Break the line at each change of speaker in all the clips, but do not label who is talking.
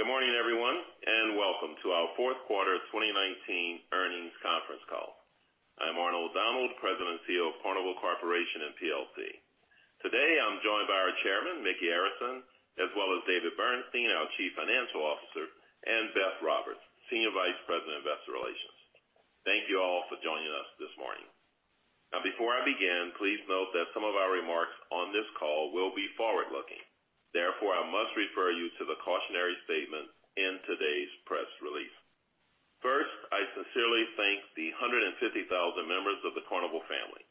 Good morning, everyone, and welcome to our Fourth Quarter 2019 Earnings Conference Call. I'm Arnold Donald, president and CEO of Carnival Corporation & plc. Today, I'm joined by our Chairman, Micky Arison, as well as David Bernstein, our Chief Financial Officer, and Beth Roberts, Senior Vice President of Investor Relations. Thank you all for joining us this morning. Before I begin, please note that some of our remarks on this call will be forward-looking. I must refer you to the cautionary statement in today's press release. I sincerely thank the 150,000 members of the Carnival family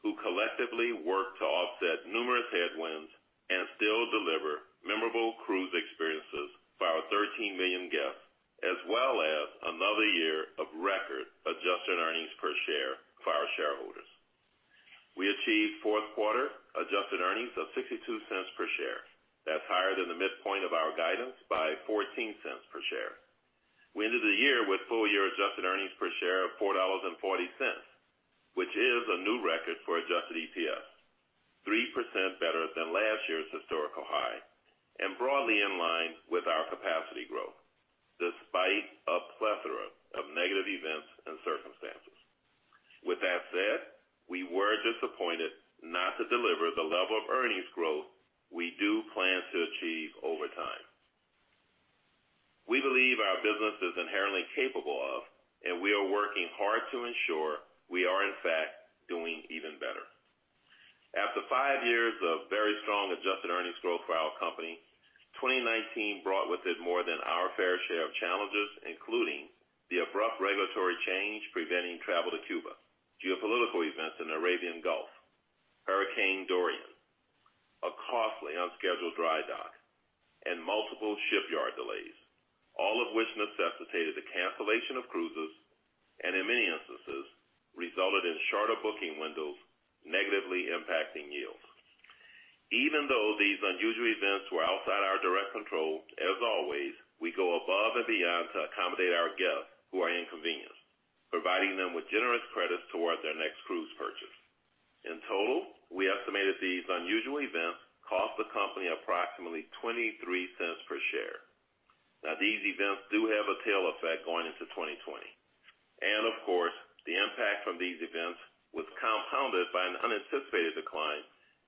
who collectively worked to offset numerous headwinds and still deliver memorable cruise experiences for our 13 million guests, as well as another year of record-adjusted earnings per share for our shareholders. We achieved fourth quarter adjusted earnings of $0.62 per share. That's higher than the midpoint of our guidance by $0.14 per share. We ended the year with full-year adjusted earnings per share of $4.40, which is a new record for adjusted EPS, 3% better than last year's historical high, and broadly in line with our capacity growth despite a plethora of negative events and circumstances. With that said, we were disappointed not to deliver the level of earnings growth we do plan to achieve over time. We believe our business is inherently capable of, and we are working hard to ensure we are in fact doing even better. After five years of very strong adjusted earnings growth for our company, 2019 brought with it more than our fair share of challenges, including the abrupt regulatory change preventing travel to Cuba, geopolitical events in Arabian Gulf, Hurricane Dorian, a costly unscheduled dry dock, and multiple shipyard delays, all of which necessitated the cancellation of cruises, and in many instances, resulted in shorter booking windows negatively impacting yields. Even though these unusual events were outside our direct control, as always, we go above and beyond to accommodate our guests who are inconvenienced, providing them with generous credits towards their next cruise purchase. In total, we estimated these unusual events cost the company approximately $0.23 per share. These events do have a tail effect going into 2020. Of course, the impact from these events was compounded by an unanticipated decline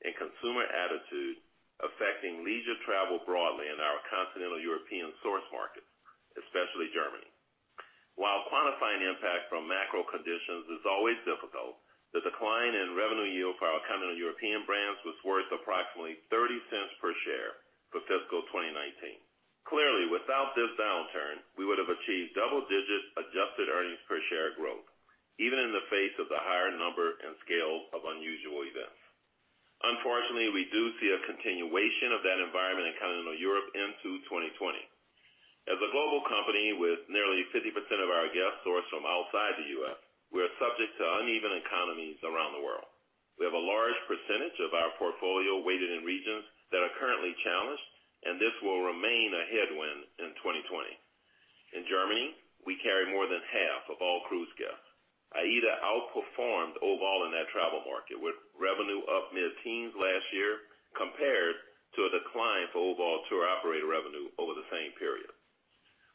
in consumer attitude affecting leisure travel broadly in our continental European source markets, especially Germany. While quantifying the impact from macro conditions is always difficult, the decline in revenue yield for our continental European brands was worth approximately $0.30 per share for fiscal 2019. Clearly, without this downturn, we would have achieved double-digit adjusted earnings per share growth even in the face of the higher number and scale of unusual events. Unfortunately, we do see a continuation of that environment in continental Europe into 2020. As a global company with nearly 50% of our guests sourced from outside the U.S., we are subject to uneven economies around the world. We have a large percentage of our portfolio weighted in regions that are currently challenged, and this will remain a headwind in 2020. In Germany, we carry more than half of all cruise guests. AIDA outperformed overall in that travel market, with revenue up mid-teens last year compared to a decline for overall tour operator revenue over the same period.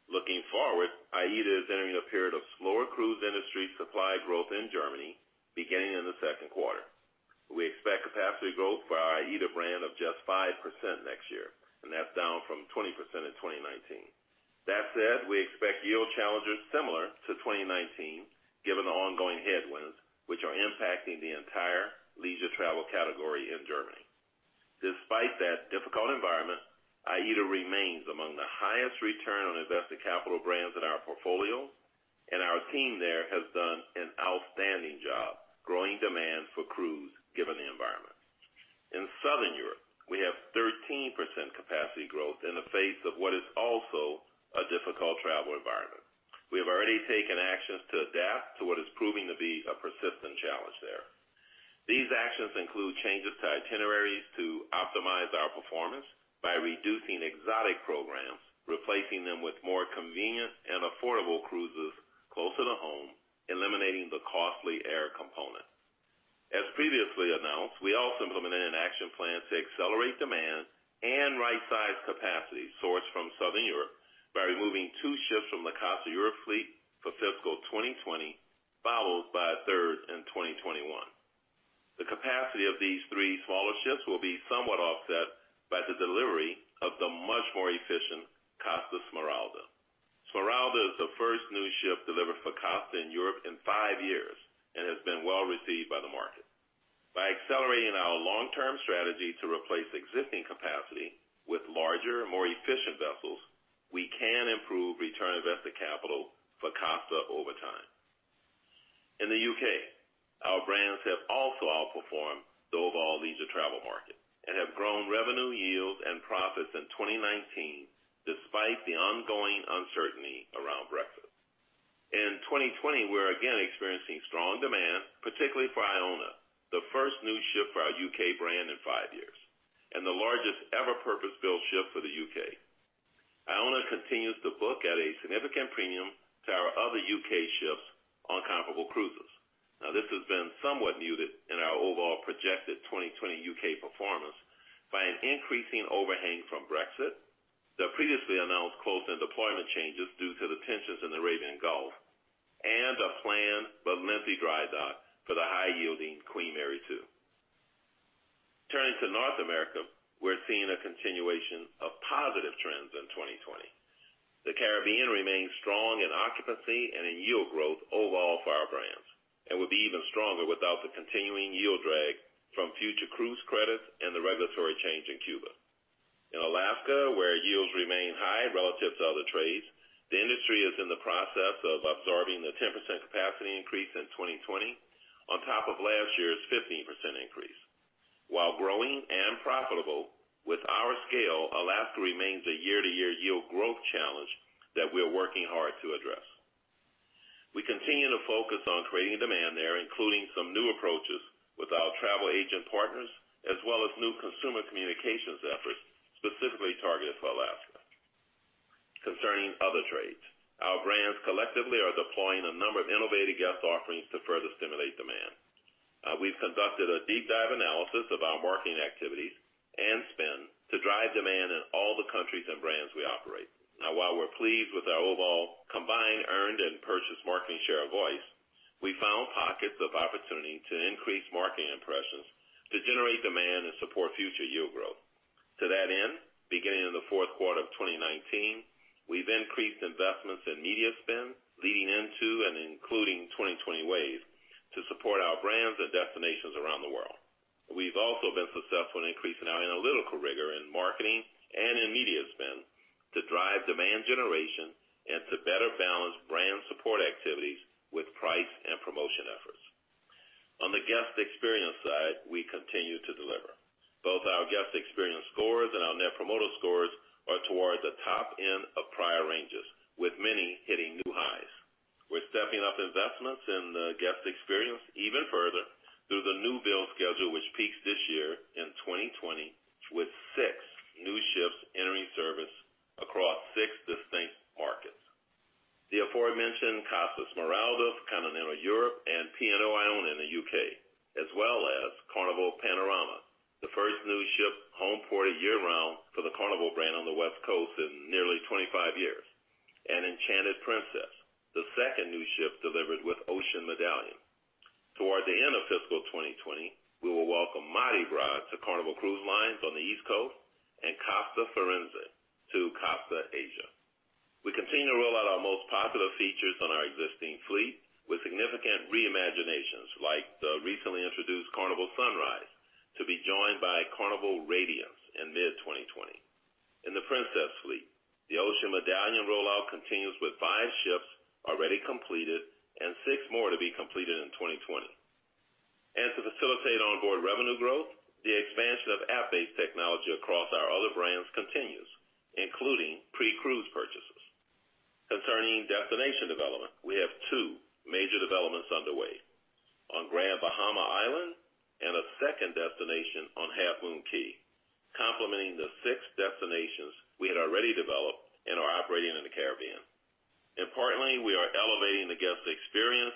Looking forward, AIDA is entering a period of slower cruise industry supply growth in Germany beginning in the second quarter. We expect capacity growth for our AIDA brand of just 5% next year, and that is down from 20% in 2019. That said, we expect yield challenges similar to 2019 given the ongoing headwinds, which are impacting the entire leisure travel category in Germany. Despite that difficult environment, AIDA remains among the highest return on invested capital brands in our portfolio, and our team there has done an outstanding job growing demand for cruise given the environment. In Southern Europe, we have 13% capacity growth in the face of what is also a difficult travel environment. We have already taken actions to adapt to what is proving to be a persistent challenge there. These actions include changes to itineraries to optimize our performance by reducing exotic programs, replacing them with more convenient and affordable cruises closer to home, eliminating the costly air component. As previously announced, we also implemented an action plan to accelerate demand and right-size capacity sourced from Southern Europe by removing two ships from the Costa Europe fleet for fiscal 2020, followed by a third in 2021. The capacity of these three smaller ships will be somewhat offset by the delivery of the much more efficient Costa Smeralda. Smeralda is the first new ship delivered for Costa in Europe in five years and has been well-received by the market. By accelerating our long-term strategy to replace existing capacity with larger, more efficient vessels, we can improve return on invested capital for Costa over time. In the U.K., our brands have also outperformed the overall leisure travel market and have grown revenue yields and profits in 2019 despite the ongoing uncertainty around Brexit. In 2020, we're again experiencing strong demand, particularly for Iona, the first new ship for our U.K. brand in five years, and the largest ever purpose-built ship for the U.K. Iona continues to book at a significant premium to our other U.K. ships on comparable cruises. This has been somewhat muted in our overall projected 2020 U.K., performance by an increasing overhang from Brexit, the previously announced close and deployment changes due to the tensions in the Arabian Gulf, and a planned but lengthy dry dock for the high-yielding Queen Mary 2. Turning to North America, we're seeing a continuation of positive trends in 2020. The Caribbean remains strong in occupancy and in yield growth overall for our brands, and would be even stronger without the continuing yield drag from Future Cruise Credits and the regulatory change in Cuba. In Alaska, where yields remain high relative to other trades, the industry is in the process of absorbing the 10% capacity increase in 2020 on top of last year's 15% increase. While growing and profitable, with our scale, Alaska remains a year-to-year yield growth challenge that we are working hard to address. We continue to focus on creating demand there, including some new approaches with our travel agent partners, as well as new consumer communications efforts specifically targeted for Alaska. Concerning other trades, our brands collectively are deploying a number of innovative guest offerings to further stimulate demand. We've conducted a deep dive analysis of our marketing activities and spend to drive demand in all the countries and brands we operate. Now, while we're pleased with our overall combined earned and purchased marketing share of voice, we found pockets of opportunity to increase marketing impressions to generate demand and support future yield growth. To that end, beginning in the fourth quarter of 2019, we've increased investments in media spend leading into and including 2020 wave to support our brands and destinations around the world. We've also been successful in increasing our analytical rigor in marketing and in media spend to drive demand generation and to better balance brand support activities with price and promotion efforts. On the guest experience side, we continue to deliver. Both our guest experience scores and our net promoter scores are towards the top end of prior ranges, with many hitting new highs. We're stepping up investments in the guest experience even further through the new build schedule which peaks this year in 2020, with six new ships entering service across six distinct markets. The aforementioned Costa Smeralda for continental Europe and P&O Iona in the U.K., as well as Carnival Panorama, the first new ship home port a year round for the Carnival brand on the West Coast in nearly 25 years, and Enchanted Princess, the second new ship delivered with Ocean Medallion. Toward the end of fiscal 2020, we will welcome Mardi Gras to Carnival Cruise Line on the East Coast, and Costa Firenze to Costa Asia. We continue to roll out our most popular features on our existing fleet with significant re-imaginations, like the recently introduced Carnival Sunrise, to be joined by Carnival Radiance in mid-2020. In the Princess fleet, the Ocean Medallion rollout continues with five ships already completed and six more to be completed in 2020. To facilitate onboard revenue growth, the expansion of app-based technology across our other brands continues, including pre-cruise purchases. Concerning destination development, we have two major developments underway. On Grand Bahama Island and a second destination on Half Moon Cay, complementing the six destinations we had already developed and are operating in the Caribbean. Importantly, we are elevating the guest experience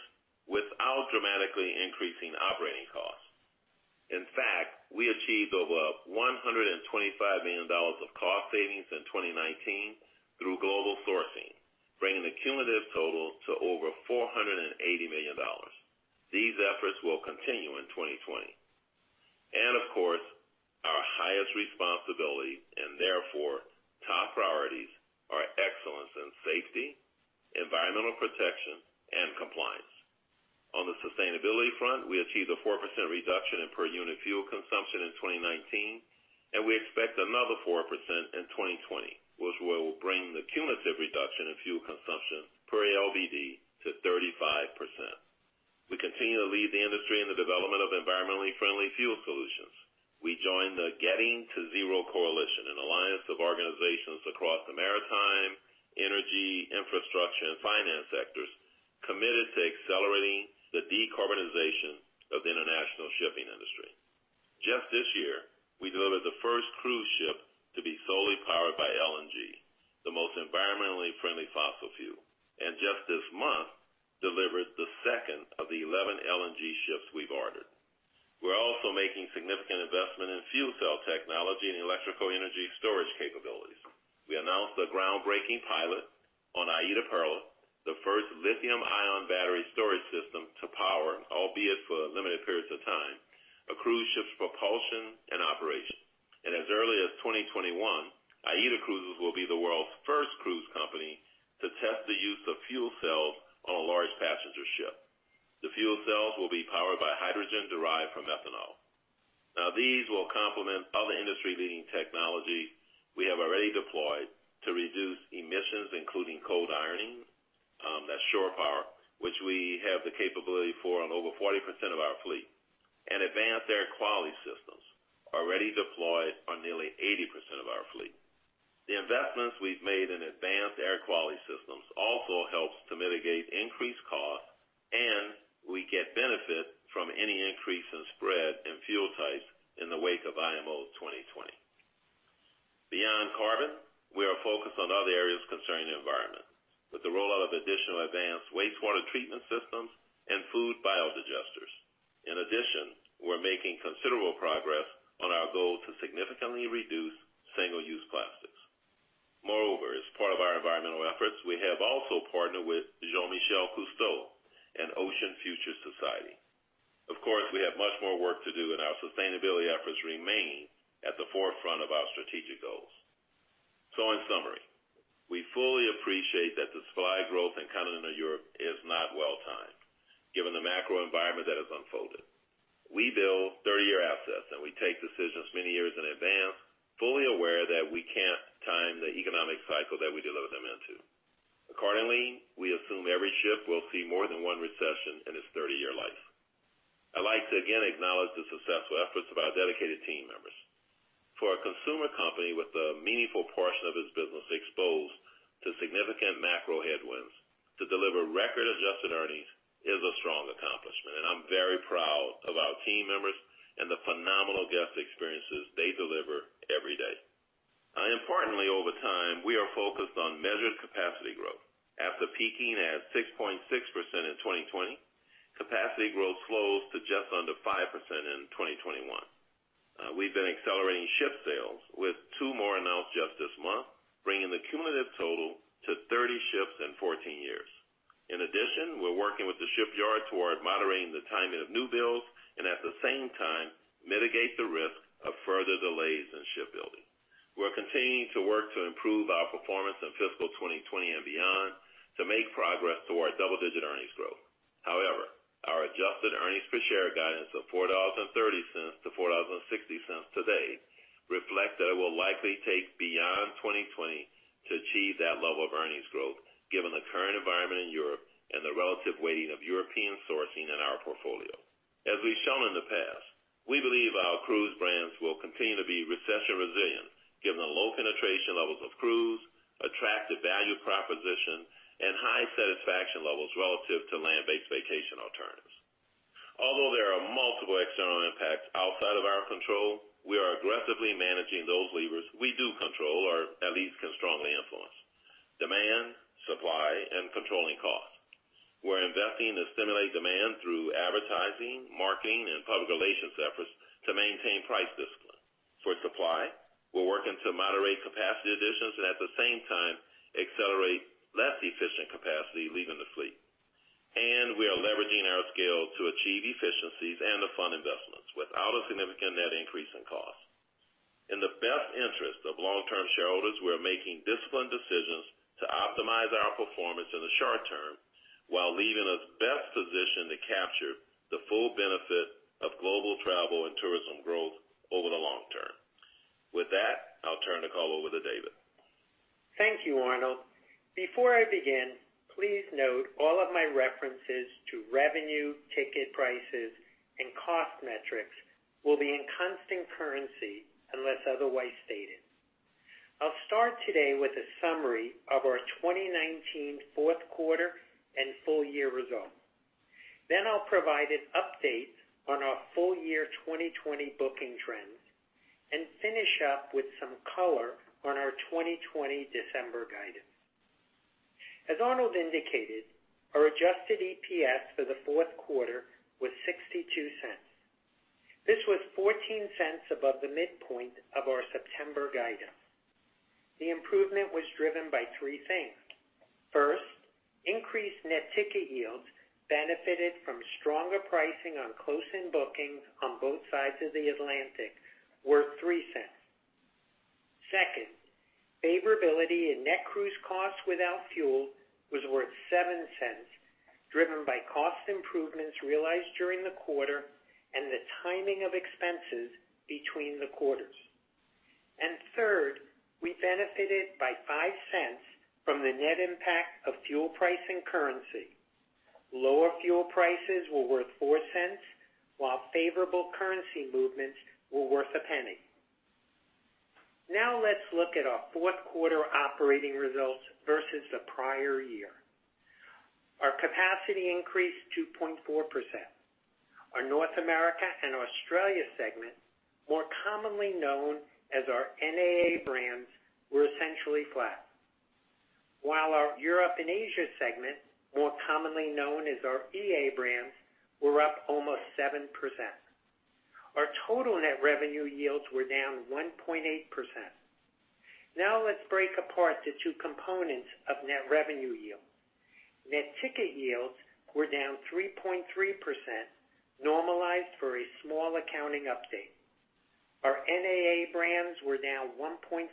without dramatically increasing operating costs. In fact, we achieved over $125 million of cost savings in 2019 through global sourcing, bringing the cumulative total to over $480 million. These efforts will continue in 2020. Of course, our highest responsibility, and therefore top priorities, are excellence in safety, environmental protection, and compliance. On the sustainability front, we achieved a 4% reduction in per unit fuel consumption in 2019, and we expect another 4% in 2020, which will bring the cumulative reduction in fuel consumption per ALBD to 35%. We continue to lead the industry in the development of environmentally friendly fuel solutions. We joined the Getting to Zero Coalition, an alliance of organizations across the maritime, energy, infrastructure, and finance sectors committed to accelerating the decarbonization of the international shipping industry. Just this year, we delivered the first cruise ship to be solely powered by LNG, the most environmentally friendly fossil fuel. Just this month delivered the second of the 11 LNG ships we've ordered. We're also making significant investment in fuel cell technology and electrical energy storage capabilities. We announced the groundbreaking pilot on AIDAperla, the first lithium-ion battery storage system to power, albeit for limited periods of time, a cruise ship's propulsion and operation. As early as 2021, AIDA Cruises will be the world's first cruise company to test the use of fuel cells on a large passenger ship. The fuel cells will be powered by hydrogen derived from ethanol. These will complement other industry-leading technology we have already deployed to reduce emissions, including cold ironing, that's shore power, which we have the capability for on over 40% of our fleet, and advanced air quality systems already deployed on nearly 80% of our fleet. The investments we've made in advanced air quality systems also helps to mitigate increased costs, and we get benefit-fuel types in the wake of IMO 2020. Beyond carbon, we are focused on other areas concerning the environment. With the rollout of additional advanced wastewater treatment systems and food biodigesters. We're making considerable progress on our goal to significantly reduce single-use plastics. As part of our environmental efforts, we have also partnered with Jean-Michel Cousteau and Ocean Futures Society. Of course, we have much more work to do. Our sustainability efforts remain at the forefront of our strategic goals. In summary, we fully appreciate that the supply growth in continental Europe is not well-timed, given the macro environment that has unfolded. We build 30-year assets. We take decisions many years in advance, fully aware that we can't time the economic cycle that we deliver them into. We assume every ship will see more than one recession in its 30-year life. I'd like to again acknowledge the successful efforts of our dedicated team members. For a consumer company with a meaningful portion of its business exposed to significant macro headwinds, to deliver record-adjusted earnings is a strong accomplishment, and I'm very proud of our team members and the phenomenal guest experiences they deliver every day. Importantly, over time, we are focused on measured capacity growth. After peaking at 6.6% in 2020, capacity growth slows to just under 5% in 2021. We've been accelerating ship sales, with two more announced just this month, bringing the cumulative total to 30 ships in 14 years. In addition, we're working with the shipyards toward moderating the timing of new builds and at the same time mitigate the risk of further delays in shipbuilding. We're continuing to work to improve our performance in fiscal 2020 and beyond to make progress towards double-digit earnings growth. Our adjusted earnings per share guidance of $4.30-$4.60 today reflect that it will likely take beyond 2020 to achieve that level of earnings growth, given the current environment in Europe and the relative weighting of European sourcing in our portfolio. As we've shown in the past, we believe our cruise brands will continue to be recession-resilient, given the low penetration levels of cruise, attractive value proposition, and high satisfaction levels relative to land-based vacation alternatives. Although there are multiple external impacts outside of our control, we are aggressively managing those levers we do control or at least can strongly influence: demand, supply, and controlling cost. We're investing to stimulate demand through advertising, marketing, and public relations efforts to maintain price discipline. For supply, we're working to moderate capacity additions and at the same time accelerate less efficient capacity leaving the fleet. We are leveraging our scale to achieve efficiencies and the fund investments without a significant net increase in cost. In the best interest of long-term shareholders, we are making disciplined decisions to optimize our performance in the short term, while leaving us best positioned to capture the full benefit of global travel and tourism growth over the long term. With that, I'll turn the call over to David.
Thank you, Arnold. Before I begin, please note all of my references to revenue, ticket prices, and cost metrics will be in constant currency unless otherwise stated. I'll start today with a summary of our 2019 fourth quarter and full-year results. I'll provide an update on our full-year 2020 booking trends and finish up with some color on our 2020 December guidance. As Arnold indicated, our adjusted EPS for the fourth quarter was $0.62. This was $0.14 above the midpoint of our September guidance. The improvement was driven by three things. First, increased net ticket yields benefited from stronger pricing on close-in bookings on both sides of the Atlantic, worth $0.03. Second, favorability in net cruise costs without fuel was worth $0.07, driven by cost improvements realized during the quarter and the timing of expenses between the quarters. Third, we benefited by $0.05 from the net impact of fuel price and currency. Lower fuel prices were worth $0.04, while favorable currency movements were worth $0.01. Let's look at our fourth quarter operating results versus the prior year. Our capacity increased 2.4%. Our North America and Australia segment, more commonly known as our NAA brands, were essentially flat. Our Europe and Asia segment, more commonly known as our EA brands, were up almost 7%. Our total net revenue yields were down 1.8%. Let's break apart the two components of net revenue yield. Net ticket yields were down 3.3%, normalized for a small accounting update. Our NAA brands were down 1.4%,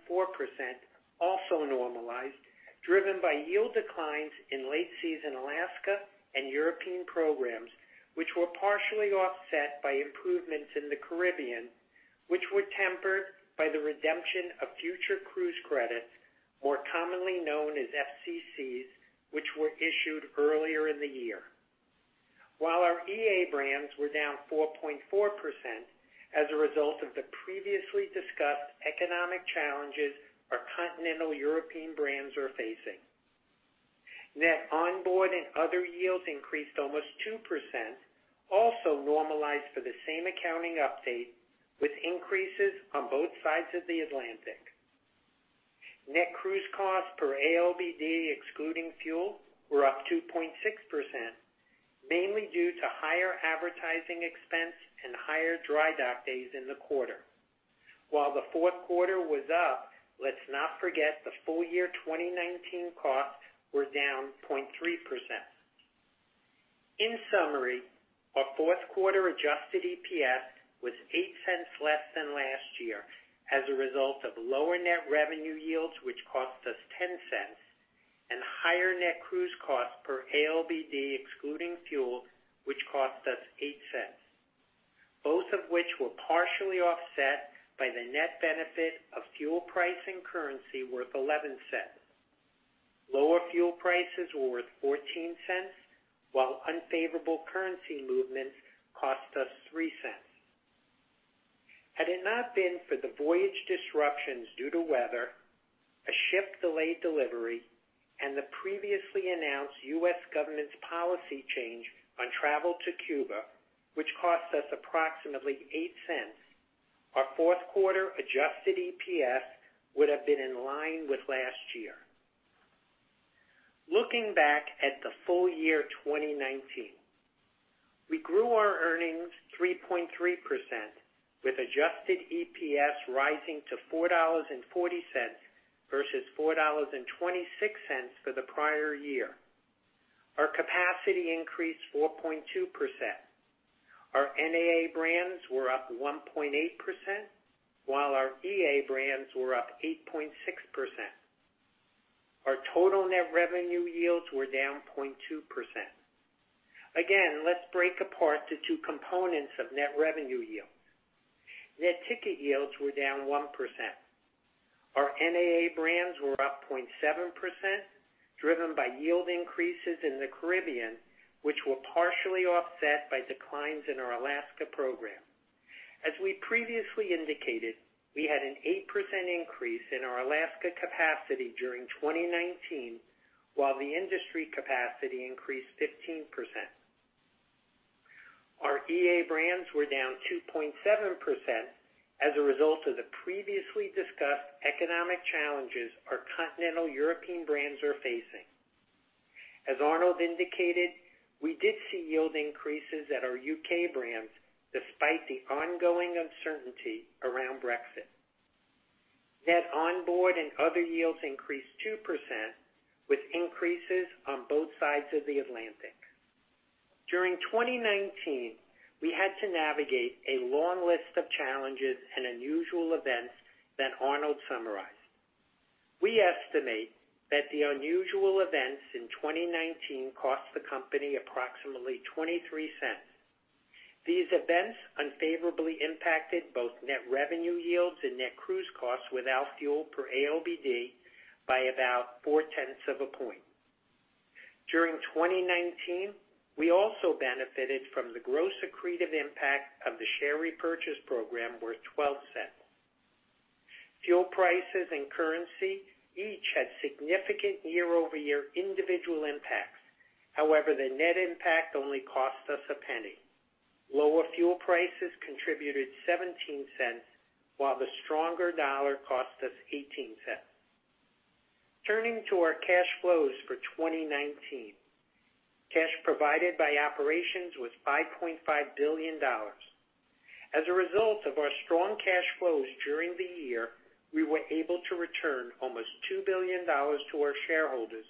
also normalized, driven by yield declines in late-season Alaska and European programs, which were partially offset by improvements in the Caribbean, which were tempered by the redemption of Future Cruise Credits, more commonly known as FCCs, which were issued earlier in the year. Our EA brands were down 4.4% as a result of the previously discussed economic challenges our continental European brands are facing. Net onboard and other yields increased almost 2%, also normalized for the same accounting update, with increases on both sides of the Atlantic. Net cruise costs per ALBD excluding fuel were up 2.6%, mainly due to higher advertising expense and higher dry dock days in the quarter. The fourth quarter was up, let's not forget the full-year 2019 costs were down 0.3%. In summary, our fourth quarter adjusted EPS was $0.08 less than last year as a result of lower net revenue yields, which cost us $0.10, and higher net cruise costs per ALBD excluding fuel, which cost us $0.08, both of which were partially offset by the net benefit of fuel price and currency worth $0.11. Lower fuel prices were worth $0.14, while unfavorable currency movements cost us $0.03. Had it not been for the voyage disruptions due to weather, a ship delayed delivery, and the previously announced U.S. government's policy change on travel to Cuba, which cost us approximately $0.08, our fourth quarter adjusted EPS would have been in line with last year. Looking back at the full-year 2019, we grew our earnings 3.3%, with adjusted EPS rising to $4.40 versus $4.26 for the prior year. Our capacity increased 4.2%. Our NAA brands were up 1.8%, while our EA brands were up 8.6%. Our total net revenue yields were down 0.2%. Let's break apart the two components of net revenue yield. Net ticket yields were down 1%. Our NAA brands were up 0.7%, driven by yield increases in the Caribbean, which were partially offset by declines in our Alaska program. As we previously indicated, we had an 8% increase in our Alaska capacity during 2019, while the industry capacity increased 15%. Our EA brands were down 2.7% as a result of the previously discussed economic challenges our continental European brands are facing. As Arnold indicated, we did see yield increases at our U.K. brands despite the ongoing uncertainty around Brexit. Net onboard and other yields increased 2%, with increases on both sides of the Atlantic. During 2019, we had to navigate a long list of challenges and unusual events that Arnold summarized. We estimate that the unusual events in 2019 cost the company approximately $0.23. These events unfavorably impacted both net revenue yields and net cruise costs without fuel per ALBD by about four-tenths of a point. During 2019, we also benefited from the gross accretive impact of the share repurchase program worth $0.12. Fuel prices and currency each had significant year-over-year individual impacts. The net impact only cost us $0.01. Lower fuel prices contributed $0.17, while the stronger dollar cost us $0.18. Turning to our cash flows for 2019. Cash provided by operations was $5.5 billion. As a result of our strong cash flows during the year, we were able to return almost $2 billion to our shareholders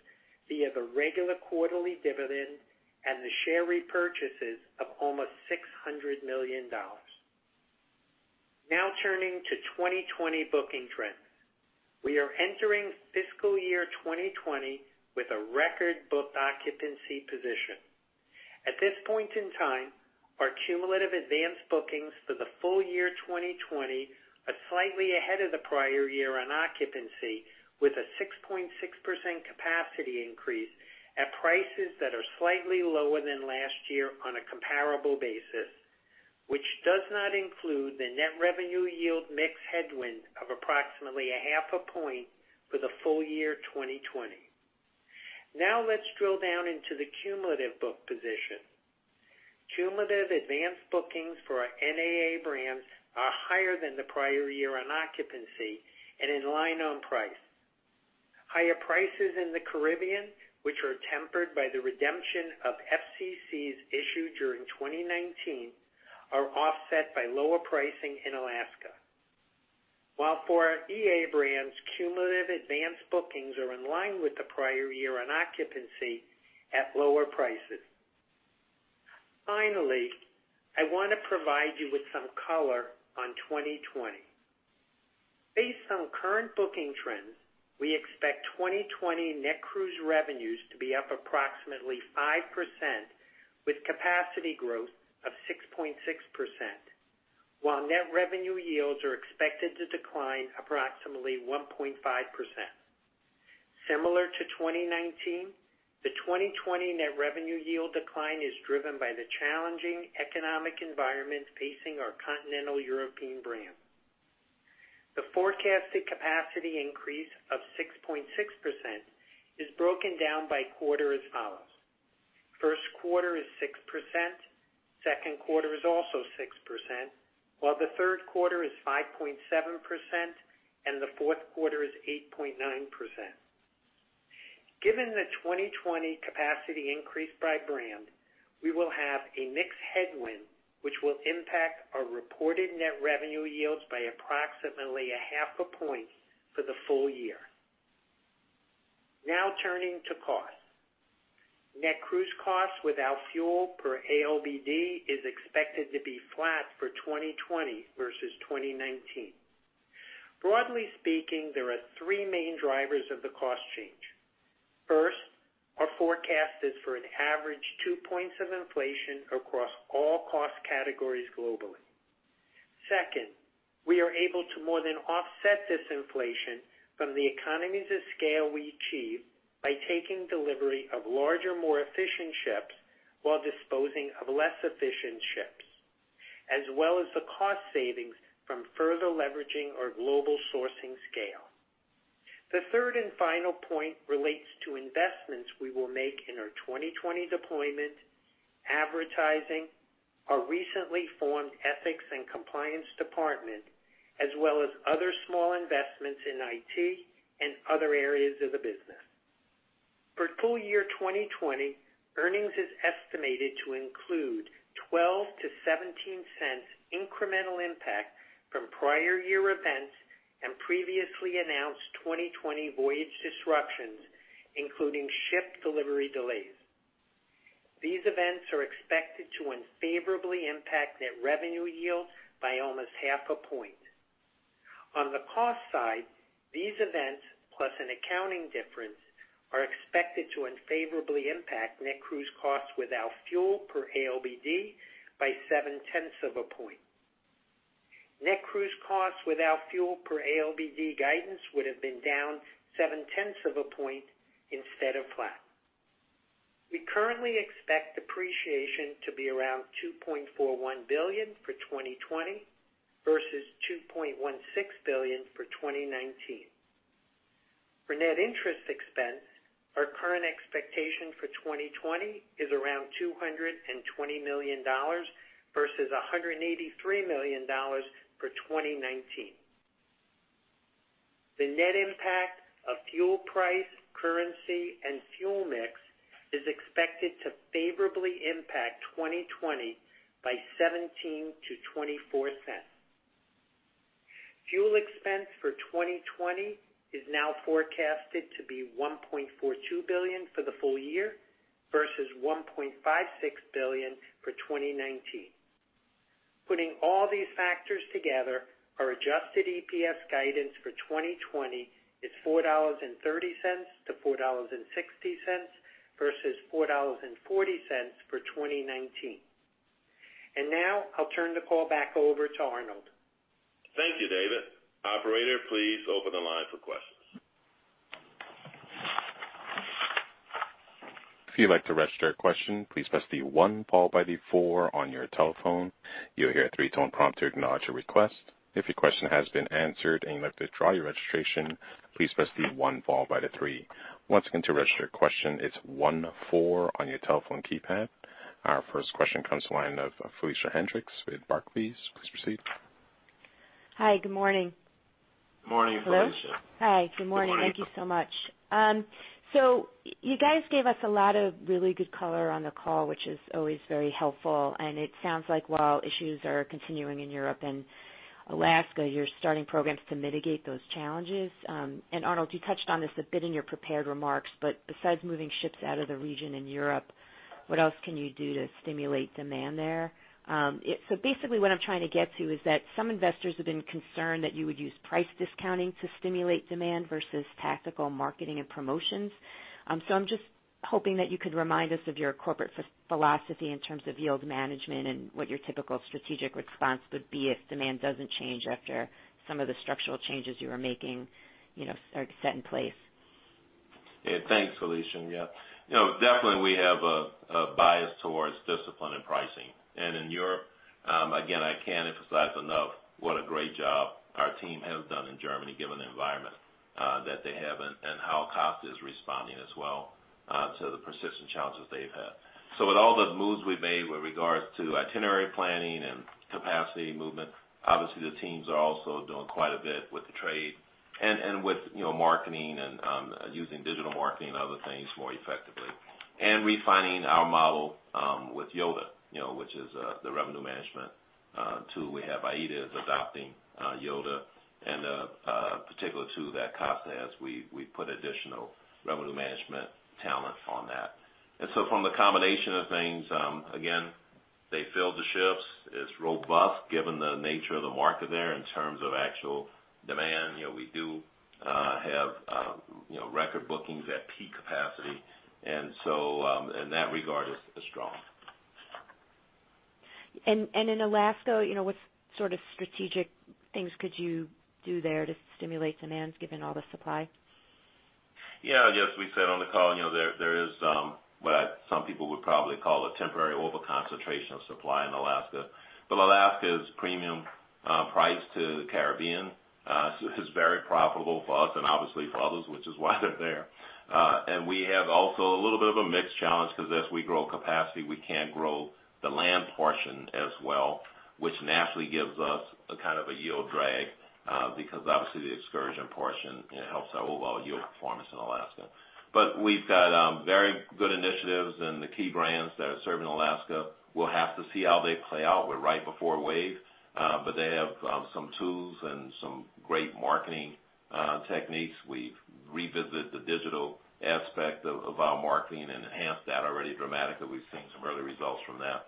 via the regular quarterly dividend and the share repurchases of almost $600 million. Turning to 2020 booking trends. We are entering fiscal year 2020 with a record book occupancy position. At this point in time, our cumulative advanced bookings for the full-year 2020 are slightly ahead of the prior year on occupancy, with a 6.6% capacity increase at prices that are slightly lower than last year on a comparable basis, which does not include the net revenue yield mix headwind of approximately a half a point for the full-year 2020. Let's drill down into the cumulative book position. Cumulative advanced bookings for our NAA brands are higher than the prior year on occupancy and in line on price. Higher prices in the Caribbean, which are tempered by the redemption of FCCs issued during 2019, are offset by lower pricing in Alaska. While for our EA brands, cumulative advanced bookings are in line with the prior year on occupancy at lower prices. Finally, I want to provide you with some color on 2020. Based on current booking trends, we expect 2020 net cruise revenues to be up approximately 5%, with capacity growth of 6.6%, while net revenue yields are expected to decline approximately 1.5%. Similar to 2019, the 2020 net revenue yield decline is driven by the challenging economic environment facing our continental European brands. The forecasted capacity increase of 6.6% is broken down by quarter as follows. First quarter is 6%, second quarter is also 6%, while the third quarter is 5.7%, and the fourth quarter is 8.9%. Given the 2020 capacity increase by brand, we will have a mixed headwind, which will impact our reported net revenue yields by approximately a half a point for the full-year. Now turning to cost. Net cruise cost without fuel per ALBD is expected to be flat for 2020 versus 2019. Broadly speaking, there are three main drivers of the cost change. First, our forecast is for an average two points of inflation across all cost categories globally. Second, we are able to more than offset this inflation from the economies of scale we achieve by taking delivery of larger, more efficient ships while disposing of less efficient ships, as well as the cost savings from further leveraging our global sourcing scale. The third and final point relates to investments we will make in our 2020 deployment, advertising, our recently formed ethics and compliance department, as well as other small investments in IT and other areas of the business. For full-year 2020, earnings is estimated to include $0.12-$0.17 incremental impact from prior year events and previously announced 2020 voyage disruptions, including ship delivery delays. These events are expected to unfavorably impact net revenue yield by almost half a point. On the cost side, these events, plus an accounting difference, are expected to unfavorably impact net cruise costs without fuel per ALBD by seven-tenths of a point. Net cruise costs without fuel per ALBD guidance would've been down seven-tenths of a point instead of flat. We currently expect depreciation to be around $2.41 billion for 2020 versus $2.16 billion for 2019. For net interest expense, our current expectation for 2020 is around $220 million vs. $183 million for 2019. The net impact of fuel price, currency, and fuel mix is expected to favorably impact 2020 by $0.17-$0.24. Fuel expense for 2020 is now forecasted to be $1.42 billion for the full-year versus $1.56 billion for 2019. Putting all these factors together, our adjusted EPS guidance for 2020 is $4.30-$4.60 vs. $4.40 for 2019. Now I'll turn the call back over to Arnold.
Thank you, David. Operator, please open the line for questions.
If you'd like to register a question, please press the one followed by the four on your telephone. You'll hear a three tone prompt to acknowledge your request. If your question has been answered and you'd like to withdraw your registration, please press the one followed by the three. Once again, to register a question, it's one, four on your telephone keypad. Our first question comes to the line of Felicia Hendrix with Barclays. Please proceed.
Hi, good morning.
Morning, Felicia.
Hello? Hi, good morning. Thank you so much. You guys gave us a lot of really good color on the call, which is always very helpful, and it sounds like while issues are continuing in Europe and Alaska, you're starting programs to mitigate those challenges. Arnold, you touched on this a bit in your prepared remarks, but besides moving ships out of the region in Europe, what else can you do to stimulate demand there? Basically, what I'm trying to get to is that some investors have been concerned that you would use price discounting to stimulate demand versus tactical marketing and promotions. I'm just hoping that you could remind us of your corporate philosophy in terms of yield management and what your typical strategic response would be if demand doesn't change after some of the structural changes you are making are set in place.
Yeah. Thanks, Felicia. Yeah. Definitely we have a bias towards discipline and pricing. In Europe, again, I can't emphasize enough what a great job our team has done in Germany, given the environment that they have and how Costa is responding as well to the persistent challenges they've had. With all the moves we've made with regards to itinerary planning and capacity movement, obviously the teams are also doing quite a bit with the trade and with marketing and using digital marketing and other things more effectively. Refining our model with YODA, which is the revenue management tool we have. AIDA is adopting YODA and a particular tool that Costa has, we put additional revenue management talent on that. From the combination of things, again, they filled the ships. It's robust given the nature of the market there in terms of actual demand. We do have record bookings at peak capacity. In that regard, it's strong.
In Alaska, what sort of strategic things could you do there to stimulate demand given all the supply?
Yes, we said on the call, there is what some people would probably call a temporary over-concentration of supply in Alaska. Alaska is premium price to the Caribbean, so it is very profitable for us and obviously for others, which is why they're there. We have also a little bit of a mix challenge because as we grow capacity, we can grow the land portion as well, which naturally gives us a kind of a yield drag, because obviously the excursion portion helps our overall yield performance in Alaska. We've got very good initiatives, and the key brands that are serving Alaska, we'll have to see how they play out. We're right before Wave, but they have some tools and some great marketing techniques. We've revisited the digital aspect of our marketing and enhanced that already dramatically. We've seen some early results from that.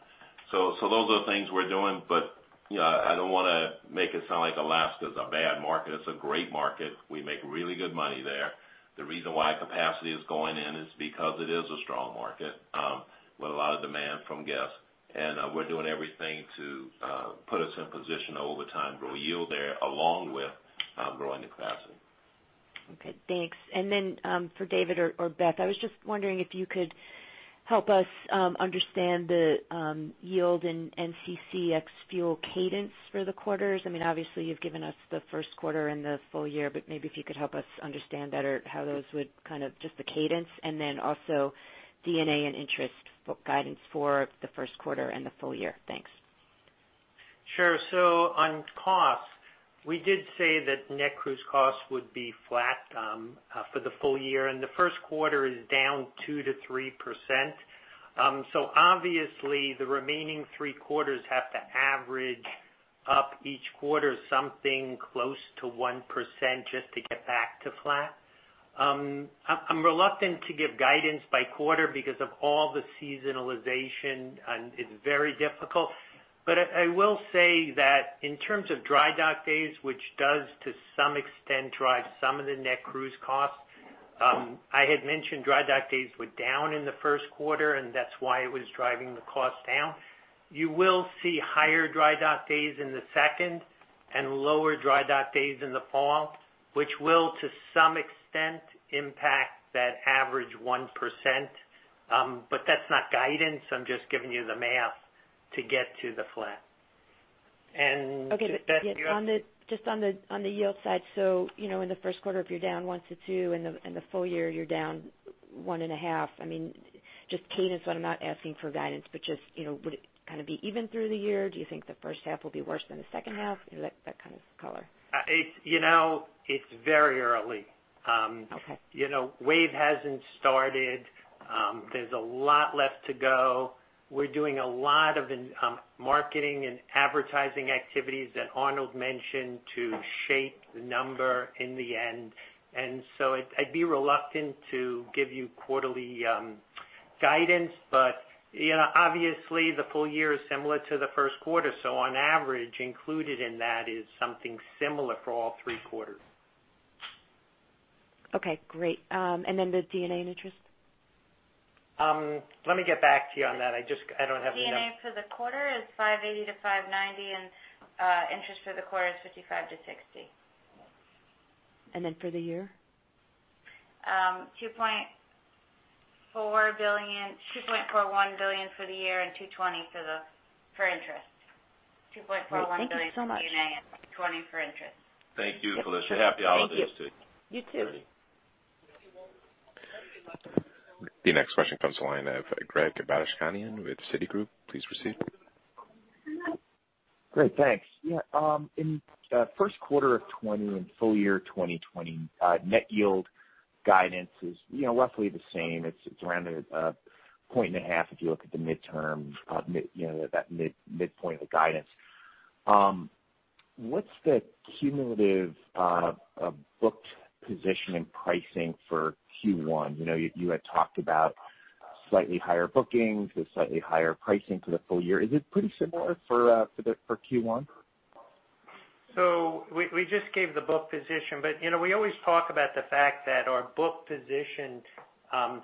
Those are things we're doing. I don't want to make it sound like Alaska's a bad market. It's a great market. We make really good money there. The reason why capacity is going in is because it is a strong market with a lot of demand from guests. We're doing everything to put us in a position over time to grow yield there along with growing the capacity.
Okay, thanks. Then, for David or Beth, I was just wondering if you could help us understand the yield in NCC ex-fuel cadence for the quarters. Obviously, you've given us the first quarter and the full-year, but maybe if you could help us understand better how those would, just the cadence, and then also D&A and interest guidance for the first quarter and the full-year. Thanks.
Sure. On costs, we did say that net cruise costs would be flat for the full-year. The first quarter is down 2%-3%. Obviously, the remaining three quarters have to average up each quarter something close to 1% just to get back to flat. I'm reluctant to give guidance by quarter because of all the seasonalization. It's very difficult. I will say that in terms of dry dock days, which does, to some extent, drive some of the net cruise costs, I had mentioned dry dock days were down in the first quarter. That's why it was driving the cost down. You will see higher dry dock days in the second and lower dry dock days in the fall, which will, to some extent, impact that average 1%. That's not guidance. I'm just giving you the math to get to the flat. Beth, do you have.
Okay. Just on the yield side. In the first quarter, if you're down 1%-2%, and the full-year you're down 1.5%, just cadence, I'm not asking for guidance, but would it be even through the year? Do you think the first half will be worse than the second half? That kind of color.
It's very early.
Okay.
Wave hasn't started. There's a lot left to go. We're doing a lot of marketing and advertising activities that Arnold mentioned to shape the number in the end. I'd be reluctant to give you quarterly guidance. Obviously, the full-year is similar to the first quarter, so on average, included in that is something similar for all three quarters.
Okay, great. The D&A and interest?
Let me get back to you on that. I don't have the number.
D&A for the quarter is $580-$590, and interest for the quarter is $55-$60.
Then for the year?
$2.41 billion for the year and $220 for interest.
Great. Thank you so much.
$2.41 billion for D&A and $220 for interest.
Thank you, Felicia. Happy holidays to you.
Thank you. You too.
Ready?
The next question comes to line of Greg Badishkanian with Citigroup. Please proceed.
Great. Thanks. Yeah. In first quarter of 2020 and full-year 2020, net yield guidance is roughly the same. It's around a point and a half if you look at the midpoint of the guidance. What's the cumulative booked position in pricing for Q1? You had talked about slightly higher bookings with slightly higher pricing for the full-year. Is it pretty similar for Q1?
We just gave the book position, but we always talk about the fact that our book position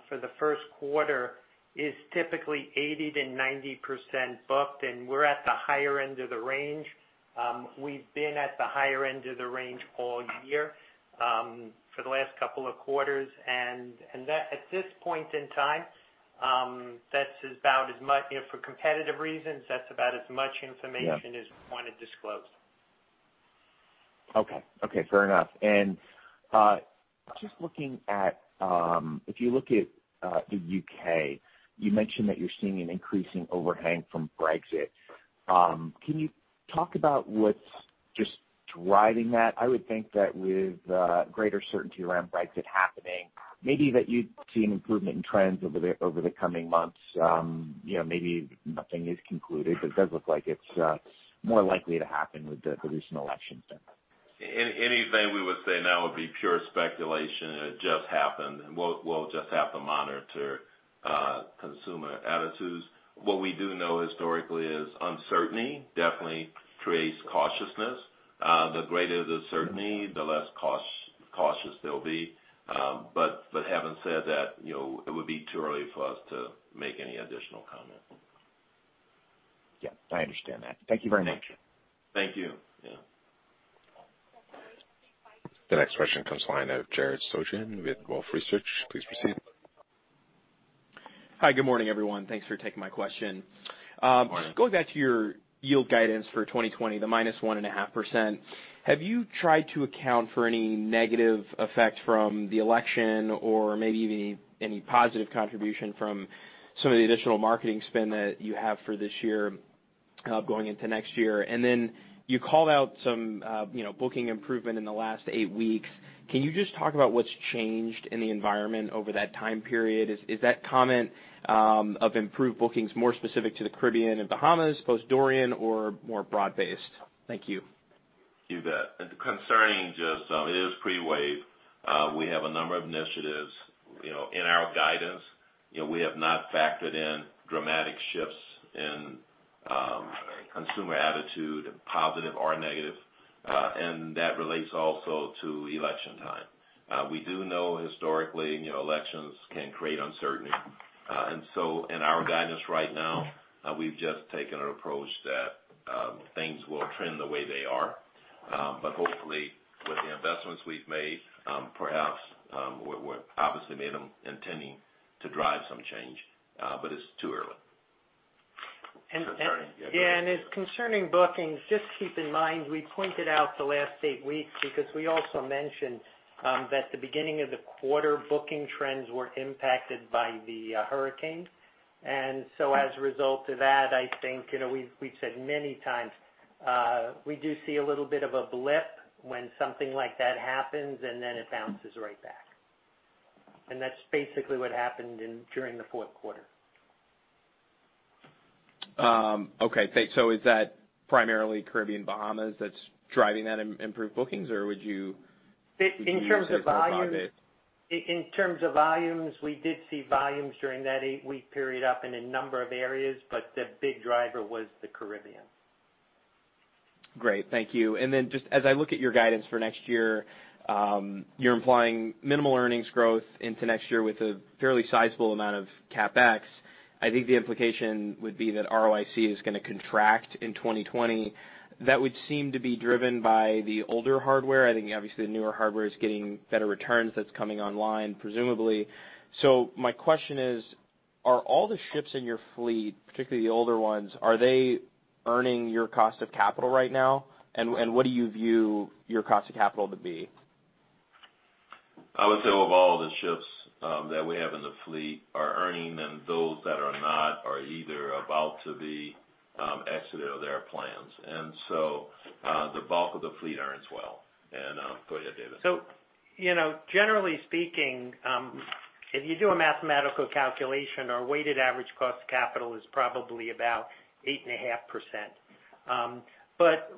for the first quarter is typically 80%-90% booked, and we're at the higher end of the range. We've been at the higher end of the range all year, for the last couple of quarters, and at this point in time, for competitive reasons, that's about as much information.
Yep
As we want to disclose.
Okay. Fair enough. Just looking at, if you look at the U.K., you mentioned that you're seeing an increasing overhang from Brexit. Can you talk about what's just driving that? I would think that with greater certainty around Brexit happening, maybe that you'd see an improvement in trends over the coming months. Maybe nothing is concluded. It does look like it's more likely to happen with the recent election.
Anything we would say now would be pure speculation. It just happened, and we'll just have to monitor consumer attitudes. What we do know historically is uncertainty definitely creates cautiousness. The greater the certainty, the less cautious they'll be. Having said that, it would be too early for us to make any additional comment.
Yeah, I understand that. Thank you very much.
Thank you. Yeah.
The next question comes to line of Jared Shojaian with Wolfe Research. Please proceed.
Hi, good morning, everyone. Thanks for taking my question.
Morning.
Going back to your yield guidance for 2020, the -1.5%, have you tried to account for any negative effect from the election or maybe even any positive contribution from some of the additional marketing spend that you have for this year going into next year? You called out some booking improvement in the last eight weeks. Can you just talk about what's changed in the environment over that time period? Is that comment of improved bookings more specific to the Caribbean and Bahamas, post Hurricane Dorian, or more broad-based? Thank you.
You bet. Concerning just, it is pre-wave. We have a number of initiatives. In our guidance, we have not factored in dramatic shifts in consumer attitude, positive or negative. That relates also to election time. In our guidance right now, we've just taken an approach that things will trend the way they are. Hopefully with the investments we've made, perhaps we obviously made them intending to drive some change, but it's too early.
Yeah. It's concerning bookings. Just keep in mind, we pointed out the last eight weeks because we also mentioned that the beginning of the quarter booking trends were impacted by the hurricane. As a result of that, I think we've said many times, we do see a little bit of a blip when something like that happens, and then it bounces right back. That's basically what happened during the fourth quarter.
Okay, great. Is that primarily Caribbean, Bahamas that's driving that improved bookings, or would you say it's more broad-based?
In terms of volumes, we did see volumes during that eight-week period up in a number of areas, but the big driver was the Caribbean.
Great, thank you. Just as I look at your guidance for next year, you're implying minimal earnings growth into next year with a fairly sizable amount of CapEx. I think the implication would be that ROIC is going to contract in 2020. That would seem to be driven by the older hardware. I think obviously the newer hardware is getting better returns that's coming online, presumably. My question is, are all the ships in your fleet, particularly the older ones, are they earning your cost of capital right now? What do you view your cost of capital to be?
I would say of all the ships that we have in the fleet are earning, and those that are not are either about to be exited or there are plans. The bulk of the fleet earns well. Go ahead, David.
Generally speaking, if you do a mathematical calculation, our weighted average cost of capital is probably about 8.5%.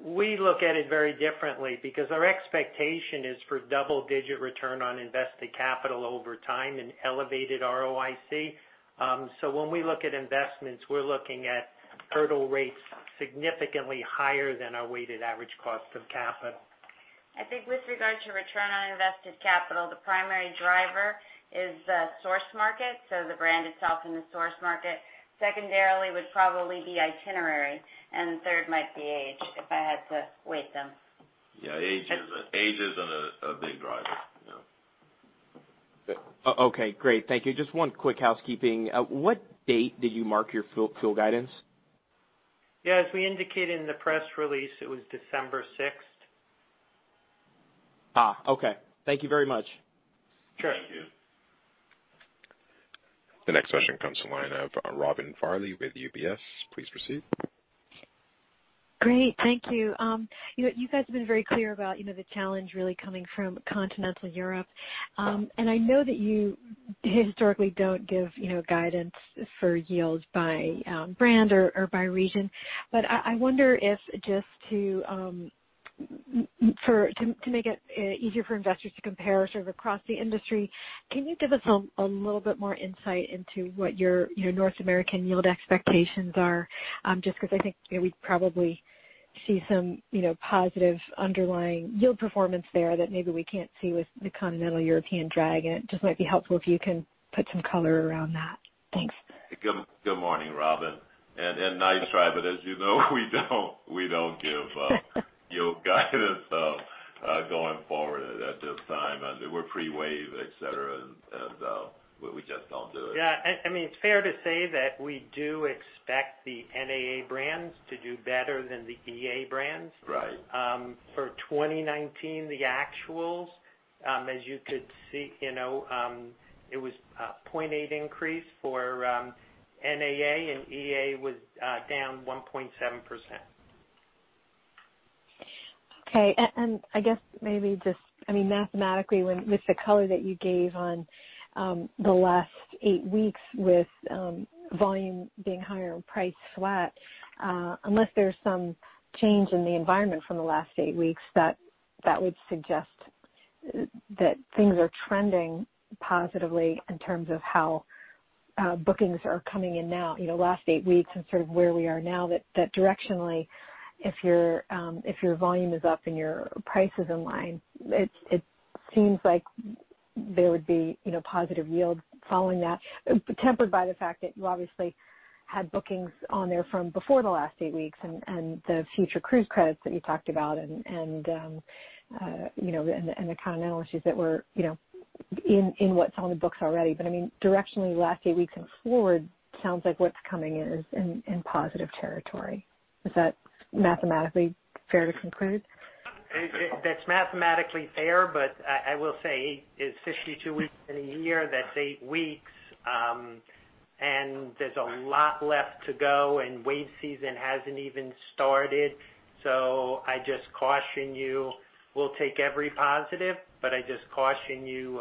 We look at it very differently because our expectation is for double-digit return on invested capital over time and elevated ROIC. When we look at investments, we're looking at hurdle rates significantly higher than our weighted average cost of capital.
I think with regard to return on invested capital, the primary driver is the source market, so the brand itself and the source market. Secondarily, would probably be itinerary, and third might be age, if I had to weight them.
Yeah, age isn't a big driver, no.
Okay, great. Thank you. Just one quick housekeeping. What date did you mark your full guidance?
Yeah, as we indicated in the press release, it was December sixth.
Okay. Thank you very much.
Sure. Thank you.
The next question comes to line of Robin Farley with UBS. Please proceed.
Great. Thank you. You guys have been very clear about the challenge really coming from continental Europe. I know that you historically don't give guidance for yields by brand or by region. I wonder if just to make it easier for investors to compare sort of across the industry, can you give us a little bit more insight into what your North American yield expectations are? Just because I think we probably see some positive underlying yield performance there that maybe we can't see with the continental European drag, and it just might be helpful if you can put some color around that. Thanks.
Good morning, Robin. Nice try, but as you know we don't give yield guidance going forward at this time. We're pre-wave, et cetera, we just don't do it.
Yeah. It's fair to say that we do expect the NAA brands to do better than the EA brands.
Right.
For 2019, the actuals, as you could see, it was a 0.8 increase for NAA and EA was down 1.7%.
Okay. I guess maybe just, mathematically with the color that you gave on the last eight weeks with volume being higher and price flat, unless there's some change in the environment from the last eight weeks that would suggest that things are trending positively in terms of how bookings are coming in now, last eight weeks and sort of where we are now, that directionally, if your volume is up and your price is in line, it seems like there would be positive yield following that, tempered by the fact that you obviously had bookings on there from before the last eight weeks and the Future Cruise Credits that you talked about and the kind of analyses that were in what's on the books already. Directionally, last eight weeks and forward sounds like what's coming is in positive territory. Is that mathematically fair to conclude?
That's mathematically fair. I will say it is 52 weeks in a year. That's eight weeks. There's a lot left to go. Wave season hasn't even started. I just caution you, we'll take every positive. I just caution you,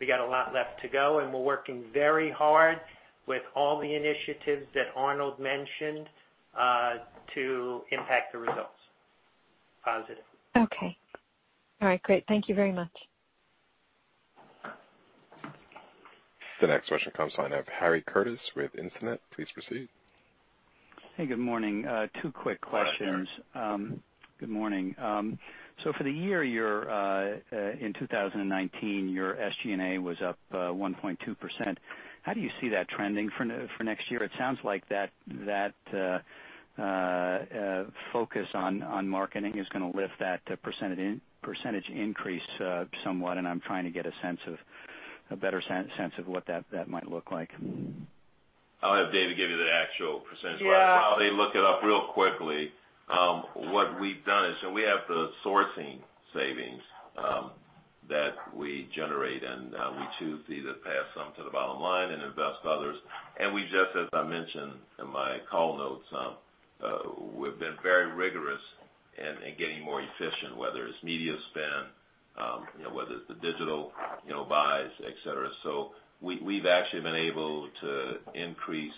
we got a lot left to go. We're working very hard with all the initiatives that Arnold mentioned to impact the results positively.
Okay. All right. Great. Thank you very much.
The next question comes from the line of Harry Curtis with Instinet. Please proceed.
Hey, good morning. Two quick questions.
Hi, Harry.
Good morning. For the year, in 2019, your SG&A was up 1.2%. How do you see that trending for next year? It sounds like that focus on marketing is going to lift that percentage increase somewhat, and I'm trying to get a better sense of what that might look like.
I'll have David give you the actual percentage
Yeah
While they look it up real quickly, what we've done is, we have the sourcing savings that we generate, and we choose either pass some to the bottom line and invest others. We just, as I mentioned in my call notes, we've been very rigorous in getting more efficient, whether it's media spend, whether it's the digital buys, et cetera. We've actually been able to increase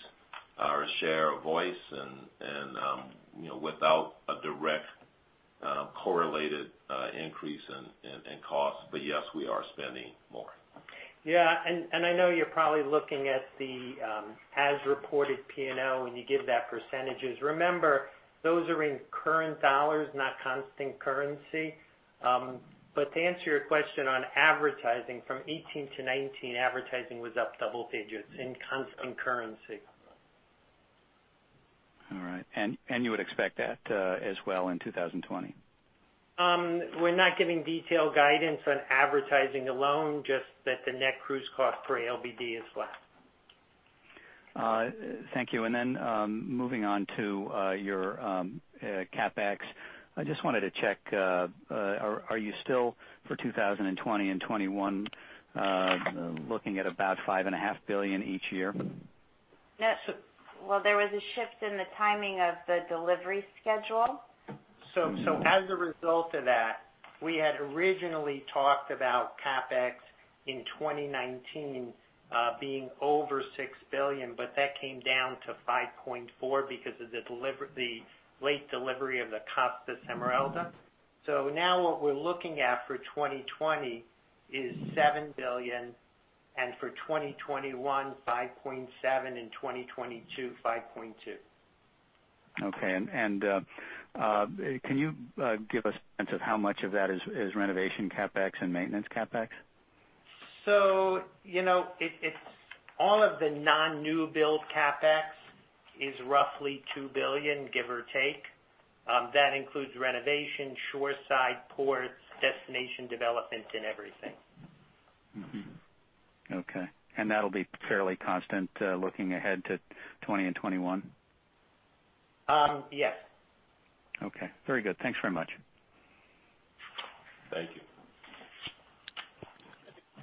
our share of voice and without a direct correlated increase in cost. Yes, we are spending more.
Yeah. I know you're probably looking at the as-reported P&L when you give that %. Remember, those are in current $, not constant currency. To answer your question on advertising from 2018 to 2019, advertising was up double digits in constant currency.
All right. You would expect that as well in 2020?
We're not giving detailed guidance on advertising alone, just that the net cruise cost per LBD is flat.
Thank you. Moving on to your CapEx, I just wanted to check, are you still for 2020 and 2021, looking at about $5.5 billion each year?
Well, there was a shift in the timing of the delivery schedule.
As a result of that, we had originally talked about CapEx in 2019 being over $6 billion, but that came down to $5.4 billion because of the late delivery of the Costa Smeralda. Now what we're looking at for 2020 is $7 billion, and for 2021, $5.7 billion, in 2022, $5.2 billion.
Okay. Can you give a sense of how much of that is renovation CapEx and maintenance CapEx?
All of the non-new build CapEx is roughly $2 billion, give or take. That includes renovation, shoreside ports, destination development, and everything.
Okay. That'll be fairly constant looking ahead to 2020 and 2021?
Yes.
Okay. Very good. Thanks very much.
Thank you.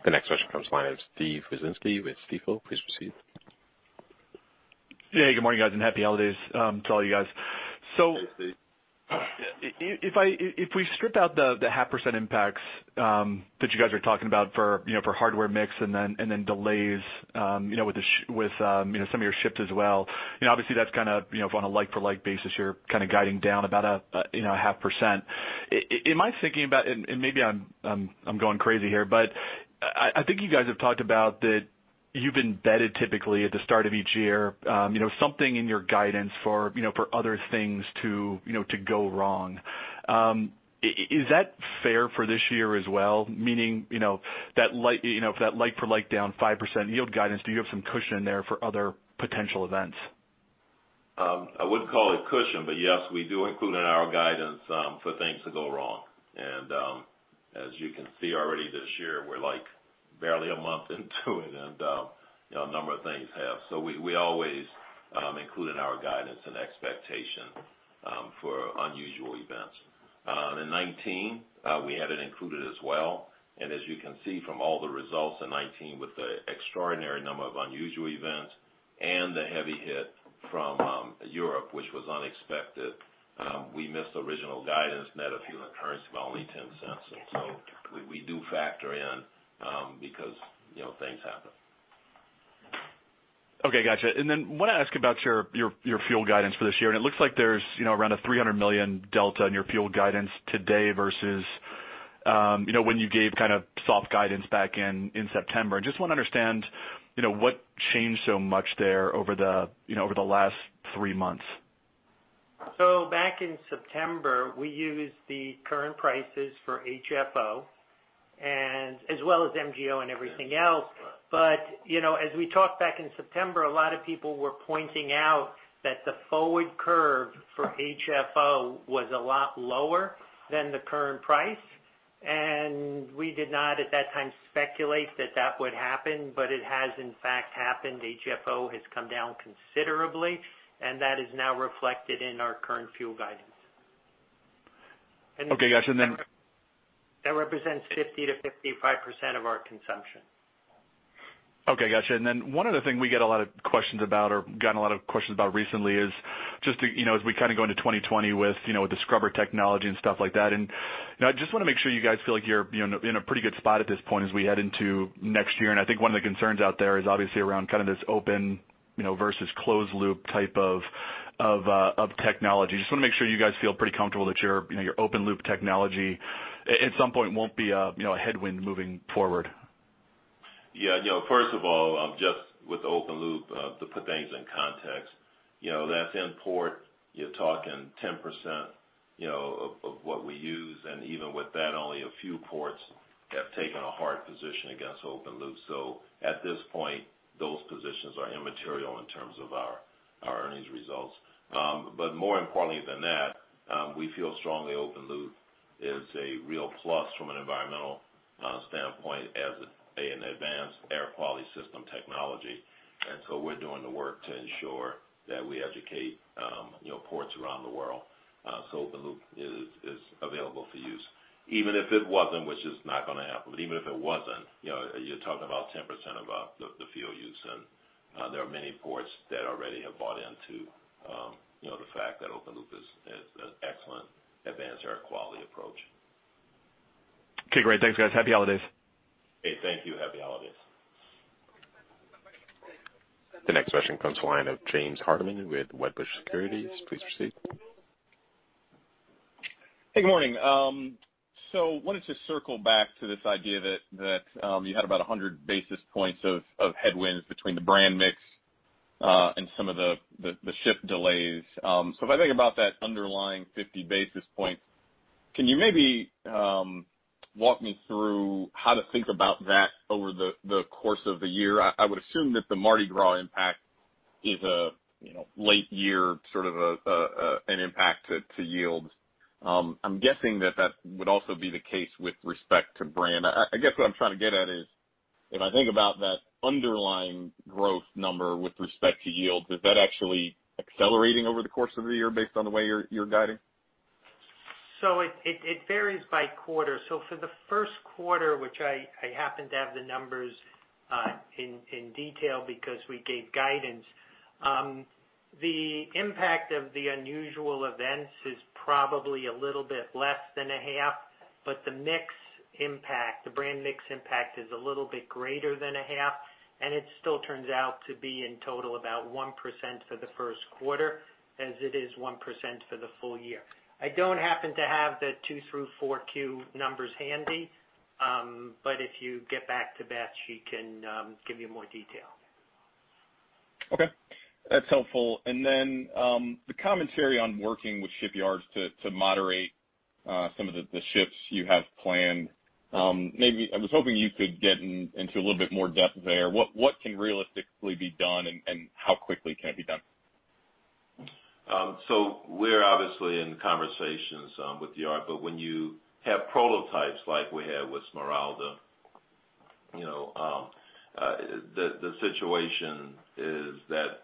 The next question comes the line of Steve Wieczynski with Stifel. Please proceed.
Yeah. Good morning, guys, and happy holidays to all you guys.
Hey, Steve.
If we strip out the 0.5% impacts that you guys are talking about for hardware mix and then delays with some of your ships as well, obviously, that's on a like-for-like basis, you're guiding down about a 0.5%. In my thinking about, and maybe I'm going crazy here, but I think you guys have talked about that you've embedded typically at the start of each year something in your guidance for other things to go wrong. Is that fair for this year as well? Meaning, for that like-for-like down 5% yield guidance, do you have some cushion there for other potential events?
I wouldn't call it cushion, but yes, we do include in our guidance for things to go wrong. As you can see already this year, we're barely a month into it, and a number of things have. We always include in our guidance an expectation for unusual events. In 2019, we had it included as well, and as you can see from all the results in 2019 with the extraordinary number of unusual events and the heavy hit from Europe, which was unexpected, we missed original guidance net of fuel and currency by only $0.10. We do factor in because things happen.
Okay. Got you. Want to ask about your fuel guidance for this year, it looks like there's around a $300 million delta in your fuel guidance today versus when you gave soft guidance back in September. I just want to understand, what changed so much there over the last three months?
Back in September, we used the current prices for HFO as well as MGO and everything else. As we talked back in September, a lot of people were pointing out that the forward curve for HFO was a lot lower than the current price, and we did not, at that time, speculate that that would happen, but it has in fact happened. HFO has come down considerably, and that is now reflected in our current fuel guidance.
Okay, got you.
That represents 50%-55% of our consumption.
Okay, got you. Then one other thing we get a lot of questions about or have gotten a lot of questions about recently is as we go into 2020 with the scrubber technology and stuff like that. I just want to make sure you guys feel like you're in a pretty good spot at this point as we head into next year. I think one of the concerns out there is obviously around this open versus closed loop type of technology. I just want to make sure you guys feel pretty comfortable that your open loop technology, at some point, won't be a headwind moving forward.
First of all, just with open loop, to put things in context, that's important. You're talking 10% of what we use, and even with that, only a few ports have taken a hard position against open loop. At this point, those positions are immaterial in terms of our earnings results. More importantly than that, we feel strongly open loop is a real plus from an environmental standpoint as an advanced air quality system technology. We're doing the work to ensure that we educate ports around the world so open loop is available for use. Even if it wasn't, which is not going to happen, but even if it wasn't, you're talking about 10% of the fuel use, and there are many ports that already have bought into the fact that open loop is an excellent advanced air quality approach.
Okay, great. Thanks, guys. Happy holidays.
Okay, thank you. Happy holidays.
The next question comes to the line of James Hardiman with Wedbush Securities. Please proceed.
Hey, good morning. Wanted to circle back to this idea that you had about 100 basis points of headwinds between the brand mix and some of the ship delays. If I think about that underlying 50 basis points, can you maybe walk me through how to think about that over the course of the year? I would assume that the Mardi Gras impact is a late year sort of an impact to yields. I'm guessing that would also be the case with respect to brand. I guess what I'm trying to get at is if I think about that underlying growth number with respect to yields, is that actually accelerating over the course of the year based on the way you're guiding?
It varies by quarter. For the first quarter, which I happen to have the numbers in detail because we gave guidance, the impact of the unusual events is probably a little bit less than a half, but the mix impact, the brand mix impact is a little bit greater than a half, and it still turns out to be in total about 1% for the first quarter, as it is 1% for the full-year. I don't happen to have the two through 4Q numbers handy. If you get back to Beth, she can give you more detail.
Okay. That's helpful. The commentary on working with shipyards to moderate some of the ships you have planned. I was hoping you could get into a little bit more depth there. What can realistically be done, and how quickly can it be done?
We're obviously in conversations with the yard, when you have prototypes like we had with Smeralda, the situation is that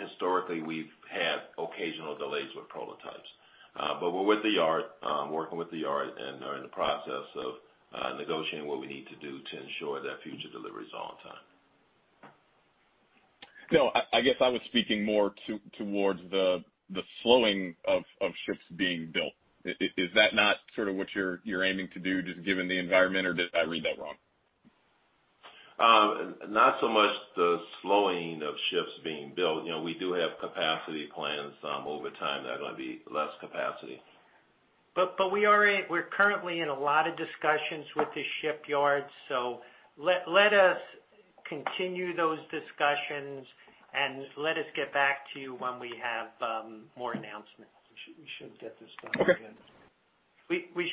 historically we've had occasional delays with prototypes. We're with the yard, working with the yard, and are in the process of negotiating what we need to do to ensure that future delivery is on time.
No, I guess I was speaking more towards the slowing of ships being built. Is that not sort of what you're aiming to do, just given the environment, or did I read that wrong?
Not so much the slowing of ships being built. We do have capacity plans over time that are going to be less capacity.
We're currently in a lot of discussions with the shipyards. Let us continue those discussions, and let us get back to you when we have more announcements. We should get this done again. We'll